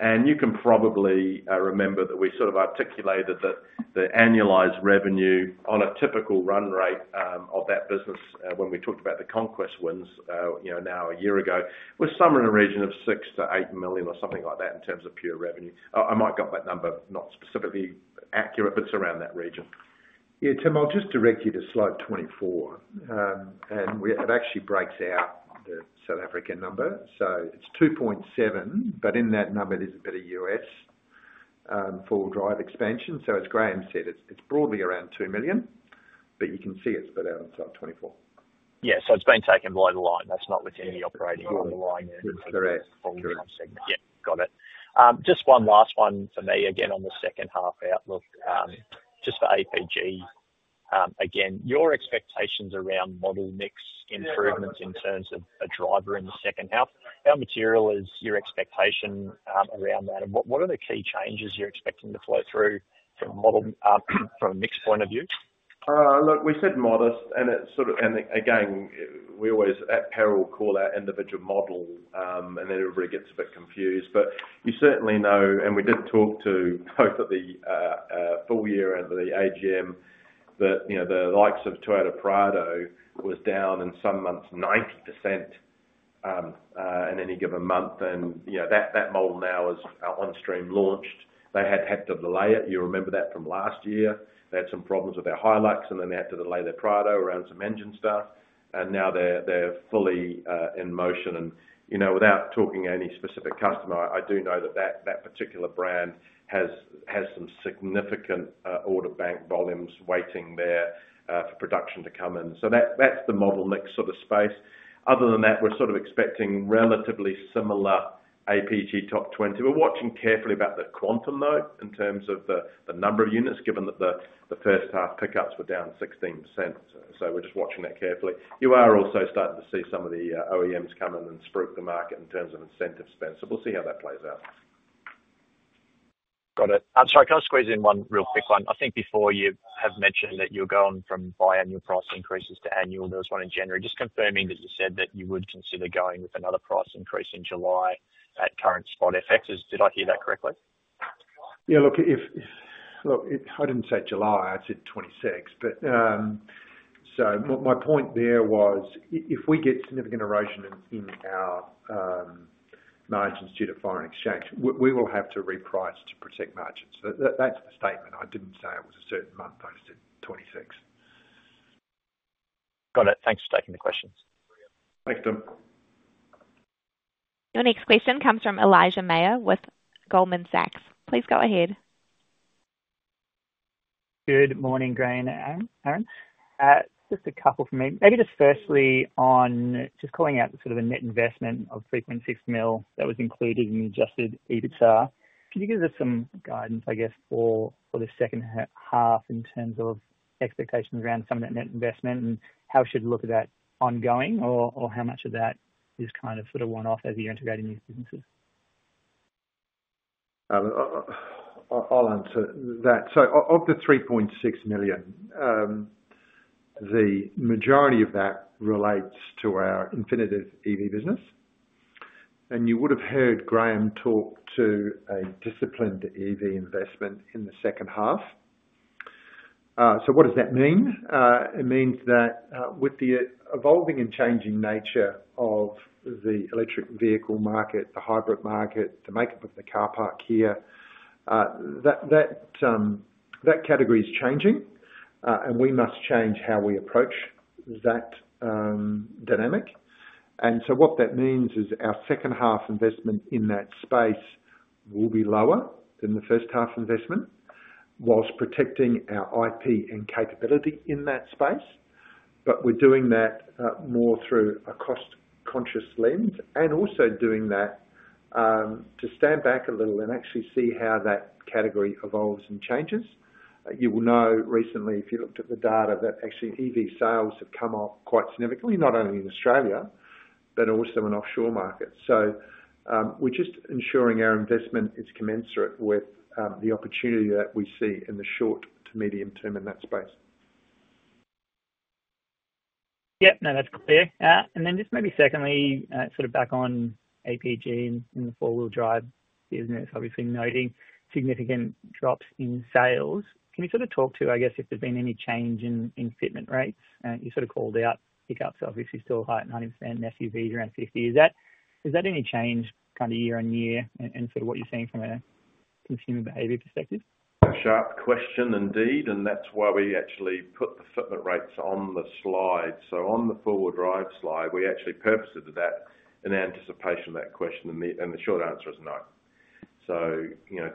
And you can probably remember that we sort of articulated that the annualized revenue on a typical run rate of that business when we talked about the Conquest wins now a year ago was somewhere in the region of 6 million-8 million or something like that in terms of pure revenue. I might get that number not specifically accurate, but it's around that region. Yeah, Tim, I'll just direct you to slide 24. And it actually breaks out the South African number. So it's 2.7, but in that number, there's a bit of U.S. 4WD expansion. So as Graeme said, it's broadly around 2 million, but you can see it's a bit outside 2024. Yeah, so it's been taken by the line. That's not within the operating line segment. Correct. Yeah, got it. Just one last one for me again on the second half outlook. Just for APG, again, your expectations around model mix improvements in terms of a driver in the second half, how material is your expectation around that? And what are the key changes you're expecting to flow through from a mixed point of view? Look, we said modest, and again, we always at peril call our individual model, and then everybody gets a bit confused. But you certainly know, and we did talk to both at the full year and the AGM, that the likes of Toyota, Prado was down in some months 90% in any given month. And that model now is on stream launched. They had had to delay it. You remember that from last year. They had some problems with their Hilux, and then they had to delay their Prado around some engine stuff. And now they're fully in motion. And without talking to any specific customer, I do know that that particular brand has some significant order bank volumes waiting there for production to come in. So that's the model mix sort of space. Other than that, we're sort of expecting relatively similar APG top 20. We're watching carefully about the quota in terms of the number of units, given that the first half pickups were down 16%. So we're just watching that carefully. You are also starting to see some of the OEMs come in and spur up the market in terms of incentive spend. So we'll see how that plays out. Got it. I'm sorry, can I squeeze in one real quick one? I think before you have mentioned that you're going from bi-annual price increases to annual. There was one in January. Just confirming that you said that you would consider going with another price increase in July at current spot FXs. Did I hear that correctly? Yeah, look, I didn't say July. I said 2026. So my point there was if we get significant erosion in our margins due to foreign exchange, we will have to reprice to protect margins. So that's the statement. I didn't say it was a certain month. I just said 2026. Got it. Thanks for taking the questions. Thanks, Tim. Your next question comes from Elijah Mayr with Goldman Sachs. Please go ahead. Good morning, Graeme and Aaron. Just a couple for me. Maybe just firstly on just calling out sort of the net investment of 3.6 million that was included in the adjusted EBITDA. Could you give us some guidance, I guess, for the second half in terms of expectations around some of that net investment and how we should look at that ongoing or how much of that is kind of sort of one-off as you're integrating these businesses? I'll answer that, so of the 3.6 million, the majority of that relates to our Infinitev EV business, and you would have heard Graeme talk to a disciplined EV investment in the second half, so what does that mean? It means that with the evolving and changing nature of the electric vehicle market, the hybrid market, the makeup of the car park here, that category is changing, and we must change how we approach that dynamic. And so what that means is our second half investment in that space will be lower than the first half investment while protecting our IP and capability in that space. But we're doing that more through a cost-conscious lens and also doing that to stand back a little and actually see how that category evolves and changes. You will know recently, if you looked at the data, that actually EV sales have come up quite significantly, not only in Australia but also in offshore markets, so we're just ensuring our investment is commensurate with the opportunity that we see in the short to medium term in that space. Yep, no, that's clear. And then just maybe secondly, sort of back on APG and the four-wheel drive business, obviously noting significant drops in sales. Can you sort of talk to, I guess, if there's been any change in fitment rates? You sort of called out pickups obviously still high at 90% and SUVs around 50%. Is that any change kind of year on year and sort of what you're seeing from a consumer behavior perspective? A sharp question indeed, and that's why we actually put the fitment rates on the slide. So on the four-wheel drive slide, we actually purposed that in anticipation of that question, and the short answer is no. So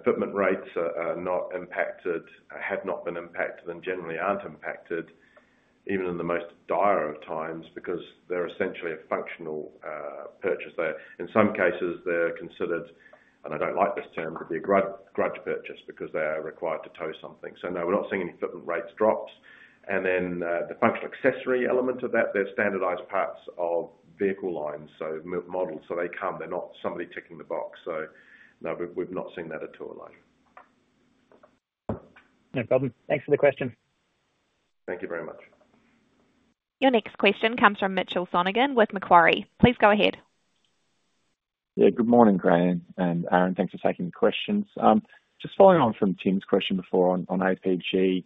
fitment rates are not impacted, have not been impacted, and generally aren't impacted even in the most dire of times because they're essentially a functional purchase there. In some cases, they're considered, and I don't like this term, to be a grudge purchase because they are required to tow something. So no, we're not seeing any fitment rates drops. And then the functional accessory element of that, they're standardized parts of vehicle lines, so models. So they come, they're not somebody ticking the box. So no, we've not seen that at all alone. No problem. Thanks for the question. Thank you very much. Your next question comes from Mitchell Sonogan with Macquarie. Please go ahead. Yeah, good morning, Graeme and Aaron. Thanks for taking the questions. Just following on from Tim's question before on APG,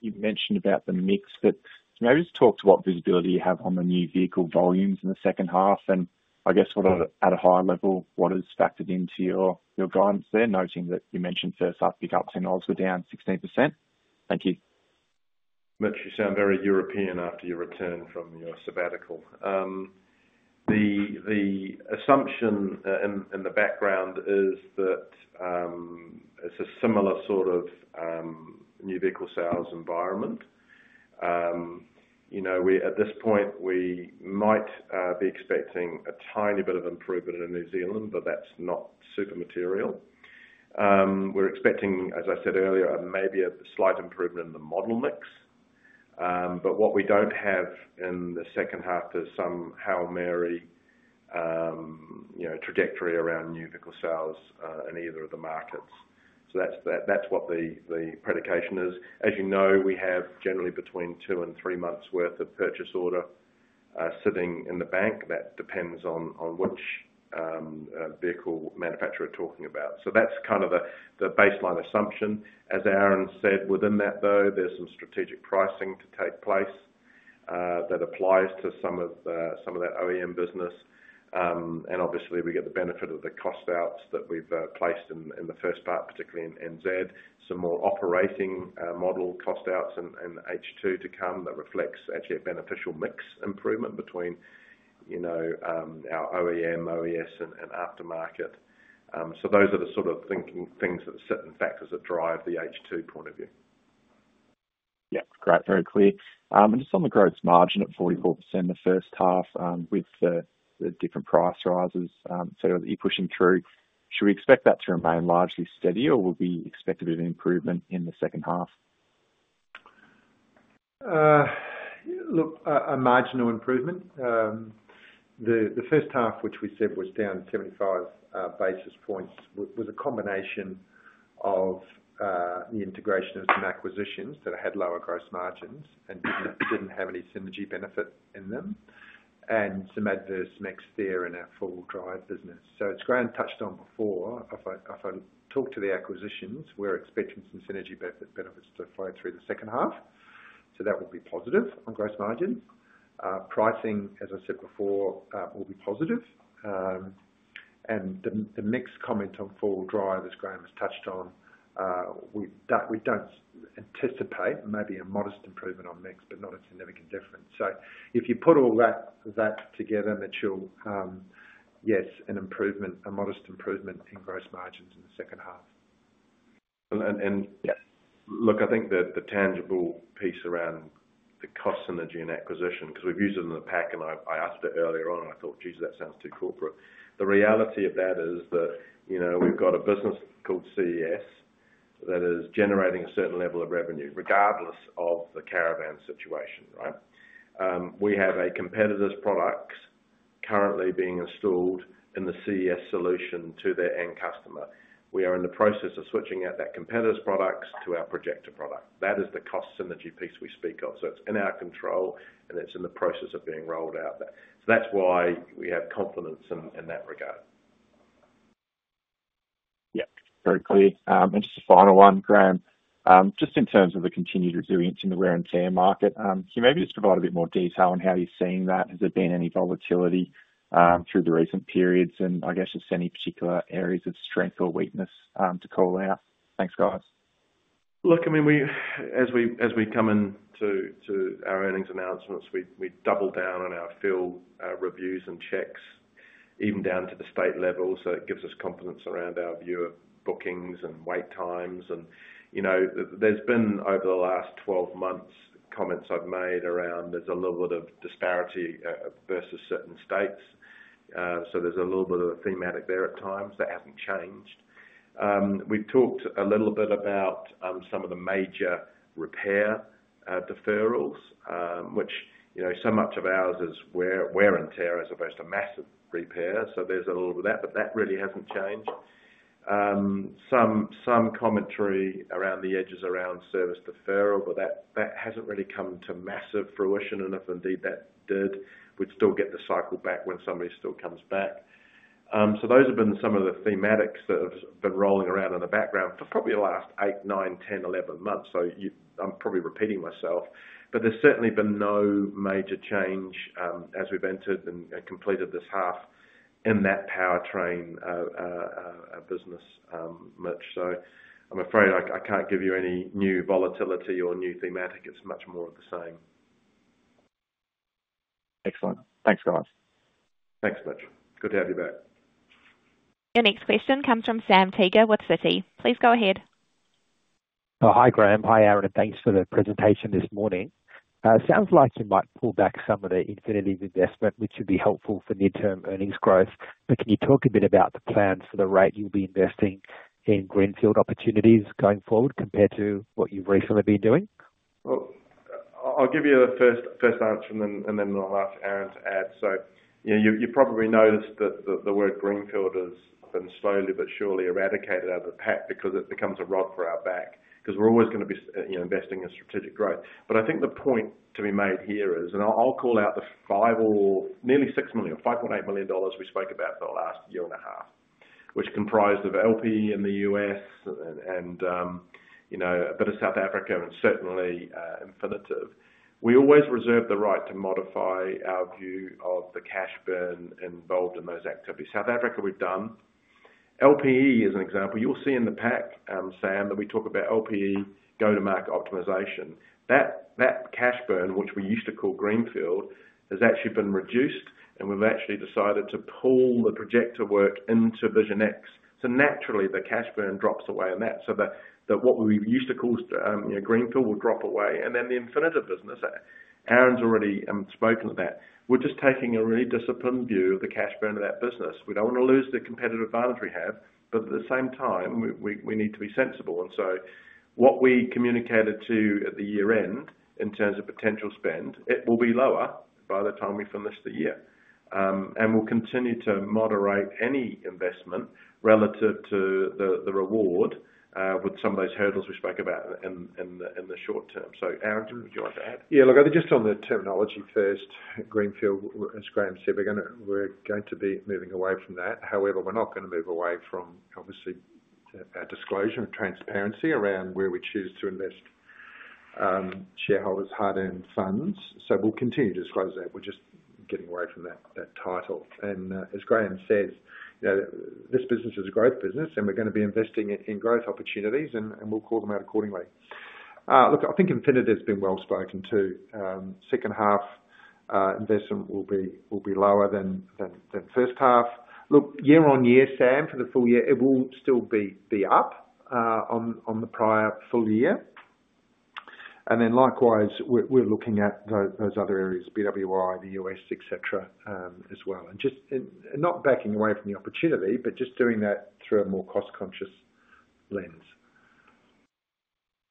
you mentioned about the mix, but maybe just talk to what visibility you have on the new vehicle volumes in the second half and I guess at a higher level, what has factored into your guidance there, noting that you mentioned first half pickups in OEs were down 16%. Thank you. Mitch, you sound very European after your return from your sabbatical. The assumption in the background is that it's a similar sort of new vehicle sales environment. At this point, we might be expecting a tiny bit of improvement in New Zealand, but that's not super material. We're expecting, as I said earlier, maybe a slight improvement in the model mix. But what we don't have in the second half is some Hail Mary trajectory around new vehicle sales in either of the markets. So that's what the prediction is. As you know, we have generally between two and three months' worth of purchase order sitting in the bank. That depends on which vehicle manufacturer we're talking about. So that's kind of the baseline assumption. As Aaron said, within that, though, there's some strategic pricing to take place that applies to some of that OEM business. Obviously, we get the benefit of the cost outs that we've placed in the first part, particularly in NZ, some more operating model cost outs and H2 to come that reflects actually a beneficial mix improvement between our OEM, OES, and aftermarket. Those are the sort of things that sit in factors that drive the H2 point of view. Yeah, great. Very clear. And just on the gross margin at 44% in the first half with the different price rises that you're pushing through, should we expect that to remain largely steady or will we expect a bit of improvement in the second half? Look, a marginal improvement. The first half, which we said was down 75 basis points, was a combination of the integration of some acquisitions that had lower gross margins and didn't have any synergy benefit in them and some adverse mix there in our four-wheel drive business. So as Graeme touched on before, if I talk to the acquisitions, we're expecting some synergy benefits to flow through the second half. So that will be positive on gross margins. Pricing, as I said before, will be positive. And the mix comment on four-wheel drive as Graeme has touched on, we don't anticipate maybe a modest improvement on mix, but not a significant difference. So if you put all that together, Mitchell, yes, an improvement, a modest improvement in gross margins in the second half. Look, I think that the tangible piece around the cost synergy and acquisition, because we've used it in the pack and I asked it earlier on and I thought, "Geez, that sounds too corporate." The reality of that is that we've got a business called CES that is generating a certain level of revenue regardless of the caravan situation, right? We have a competitor's product currently being installed in the CES solution to their end customer. We are in the process of switching out that competitor's product to our Projecta product. That is the cost synergy piece we speak of. It's in our control and it's in the process of being rolled out. That's why we have confidence in that regard. Yeah, very clear, and just a final one, Graeme. Just in terms of the continued resilience in the wear and tear market, can you maybe just provide a bit more detail on how you're seeing that? Has there been any volatility through the recent periods, and I guess just any particular areas of strength or weakness to call out? Thanks, guys. Look, I mean, as we come into our earnings announcements, we double down on our field reviews and checks even down to the state level. So it gives us confidence around our view of bookings and wait times. And there's been over the last 12 months comments I've made around there's a little bit of disparity versus certain states. So there's a little bit of a thematic there at times that hasn't changed. We've talked a little bit about some of the major repair deferrals, which so much of ours is wear and tear as opposed to massive repair. So there's a little bit of that, but that really hasn't changed. Some commentary around the edges around service deferral, but that hasn't really come to massive fruition. And if indeed that did, we'd still get the cycle back when somebody still comes back. Those have been some of the thematics that have been rolling around in the background for probably the last eight, nine, 10, 11 months. So I'm probably repeating myself, but there's certainly been no major change as we've entered and completed this half in that powertrain business, Mitch. So I'm afraid I can't give you any new volatility or new thematic. It's much more of the same. Excellent. Thanks, guys. Thanks, Mitch. Good to have you back. Your next question comes from Sam Teeger with Citi. Please go ahead. Hi, Graeme. Hi, Aaron, and thanks for the presentation this morning. Sounds like you might pull back some of the Infinitev investment, which would be helpful for near-term earnings growth, but can you talk a bit about the plans for the rate you'll be investing in greenfield opportunities going forward compared to what you've recently been doing? I'll give you the first answer and then I'll ask Aaron to add. So you probably noticed that the word greenfield has been slowly but surely eradicated out of the pack because it becomes a rod for our back because we're always going to be investing in strategic growth. But I think the point to be made here is, and I'll call out the five or nearly six million, 5.8 million dollars we spoke about the last year and a half, which comprised of LPE in the U.S. and a bit of South Africa and certainly Infinitev. We always reserve the right to modify our view of the cash burn involved in those activities. South Africa we've done. LPE is an example. You'll see in the pack, Sam, that we talk about LPE go to market optimization. That cash burn, which we used to call greenfield, has actually been reduced and we've actually decided to pull the Projecta work into Vision X. So naturally, the cash burn drops away in that. What we used to call greenfield will drop away. The infinitive business, Aaron's already spoken of that. We're just taking a really disciplined view of the cash burn of that business. We don't want to lose the competitive advantage we have, but at the same time, we need to be sensible. What we communicated to you at the year end in terms of potential spend will be lower by the time we finish the year. We'll continue to moderate any investment relative to the reward with some of those hurdles we spoke about in the short term. Aaron, would you like to add? Yeah, look. I'll just on the terminology first. Greenfield, as Graeme said, we're going to be moving away from that. However, we're not going to move away from, obviously, our disclosure and transparency around where we choose to invest shareholders' hard-earned funds. So we'll continue to disclose that. We're just getting away from that title, as Graeme says. This business is a growth business and we're going to be investing in growth opportunities and we'll call them out accordingly. Look, I think Infinitev has been well spoken to. Second half investment will be lower than first half. Look, year-on-year, Sam, for the full year, it will still be up on the prior full year. And then likewise, we're looking at those other areas, BWI, the US, etc., as well. And not backing away from the opportunity, but just doing that through a more cost-conscious lens.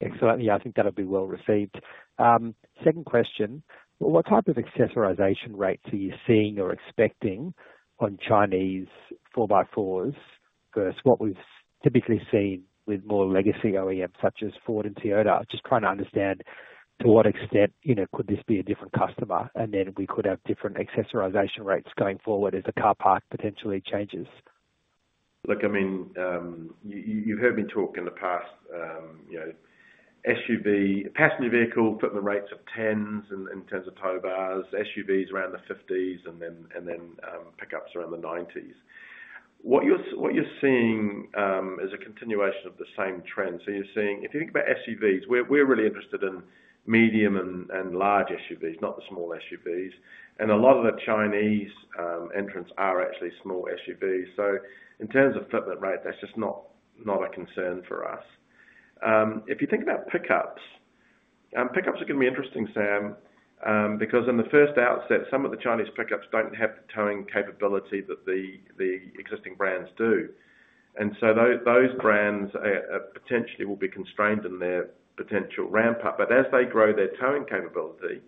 Excellent. Yeah, I think that'll be well received. Second question, what type of accessorization rates are you seeing or expecting on Chinese four-by-fours versus what we've typically seen with more legacy OEMs such as Ford and Toyota? Just trying to understand to what extent could this be a different customer and then we could have different accessorization rates going forward as the car park potentially changes? Look, I mean, you've heard me talk in the past, SUV, passenger vehicle fitment rates of 10% in terms of tow bars, SUVs around the 50%, and then pickups around the 90%. What you're seeing is a continuation of the same trend. So you're seeing, if you think about SUVs, we're really interested in medium and large SUVs, not the small SUVs. And a lot of the Chinese entrants are actually small SUVs. So in terms of fitment rate, that's just not a concern for us. If you think about pickups, pickups are going to be interesting, Sam, because in the first outset, some of the Chinese pickups don't have the towing capability that the existing brands do. And so those brands potentially will be constrained in their potential ramp-up. But as they grow their towing capability,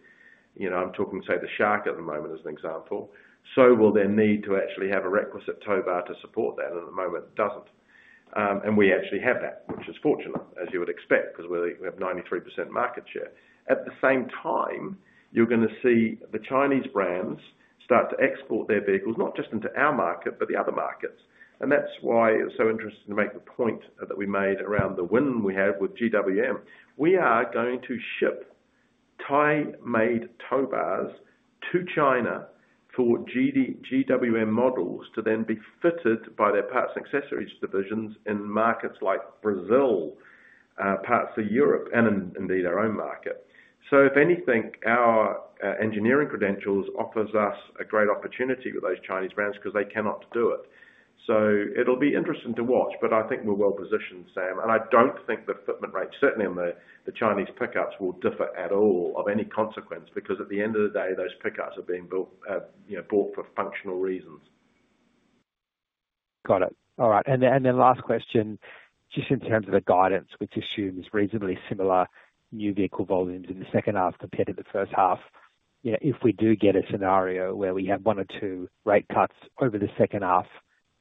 I'm talking, say, the Shark at the moment as an example, so will they need to actually have a requisite tow bar to support that? And at the moment, it doesn't. And we actually have that, which is fortunate, as you would expect, because we have 93% market share. At the same time, you're going to see the Chinese brands start to export their vehicles not just into our market, but the other markets. And that's why it's so interesting to make the point that we made around the win we have with GWM. We are going to ship Thai-made tow bars to China for GWM models to then be fitted by their parts and accessories divisions in markets like Brazil, parts of Europe, and indeed our own market. So if anything, our engineering credentials offers us a great opportunity with those Chinese brands because they cannot do it. So it'll be interesting to watch, but I think we're well positioned, Sam. And I don't think the fitment rate, certainly on the Chinese pickups, will differ at all of any consequence because at the end of the day, those pickups are being bought for functional reasons. Got it. All right. And then last question, just in terms of the guidance, which assumes reasonably similar new vehicle volumes in the second half compared to the first half, if we do get a scenario where we have one or two rate cuts over the second half,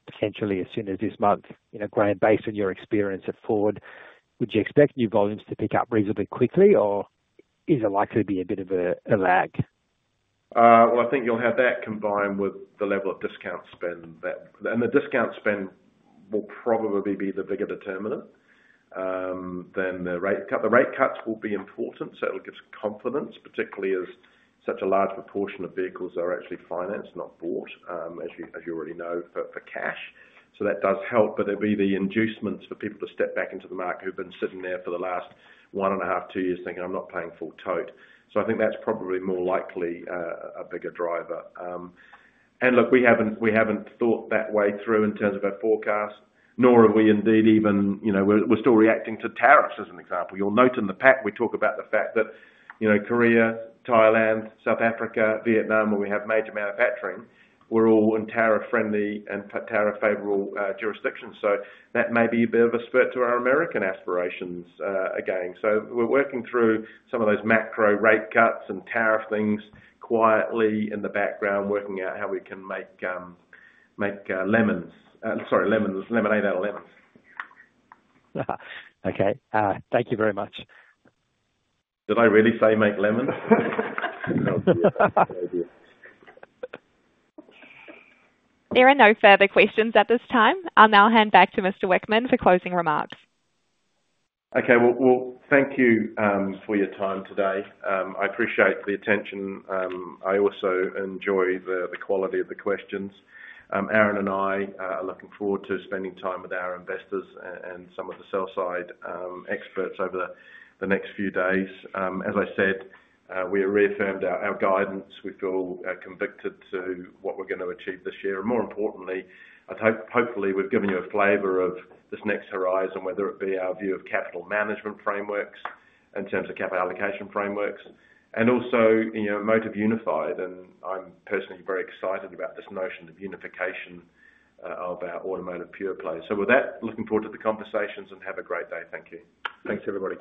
potentially as soon as this month, Graeme, based on your experience at Ford, would you expect new volumes to pick up reasonably quickly or is there likely to be a bit of a lag? Well, I think you'll have that combined with the level of discount spend. And the discount spend will probably be the bigger determinant. Then the rate cuts will be important. So it gives confidence, particularly as such a large proportion of vehicles are actually financed, not bought, as you already know, for cash. So that does help. But it'd be the inducements for people to step back into the market who've been sitting there for the last one and a half, two years thinking, "I'm not paying full tote." So I think that's probably more likely a bigger driver. And look, we haven't thought that way through in terms of our forecast, nor are we indeed even. We're still reacting to tariffs as an example. You'll note in the pack we talk about the fact that Korea, Thailand, South Africa, Vietnam, where we have major manufacturing, we're all in tariff-friendly and tariff-favorable jurisdictions. So that may be a bit of a spur to our American aspirations again. So we're working through some of those macro rate cuts and tariff things quietly in the background, working out how we can make lemons, sorry, lemonade out of lemons. Okay. Thank you very much. Did I really say make lemons? There are no further questions at this time. I'll now hand back to Mr. Whickman for closing remarks. Okay. Well, thank you for your time today. I appreciate the attention. I also enjoy the quality of the questions. Aaron and I are looking forward to spending time with our investors and some of the sell-side experts over the next few days. As I said, we have reaffirmed our guidance. We feel convicted to what we're going to achieve this year. And more importantly, hopefully, we've given you a flavor of this next horizon, whether it be our view of capital management frameworks in terms of capital allocation frameworks, and also Amotiv Unified, and I'm personally very excited about this notion of unification of our automotive pure play, so with that, looking forward to the conversations and have a great day. Thank you. Thanks, everybody.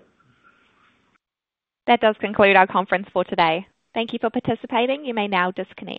That does conclude our conference for today. Thank you for participating. You may now disconnect.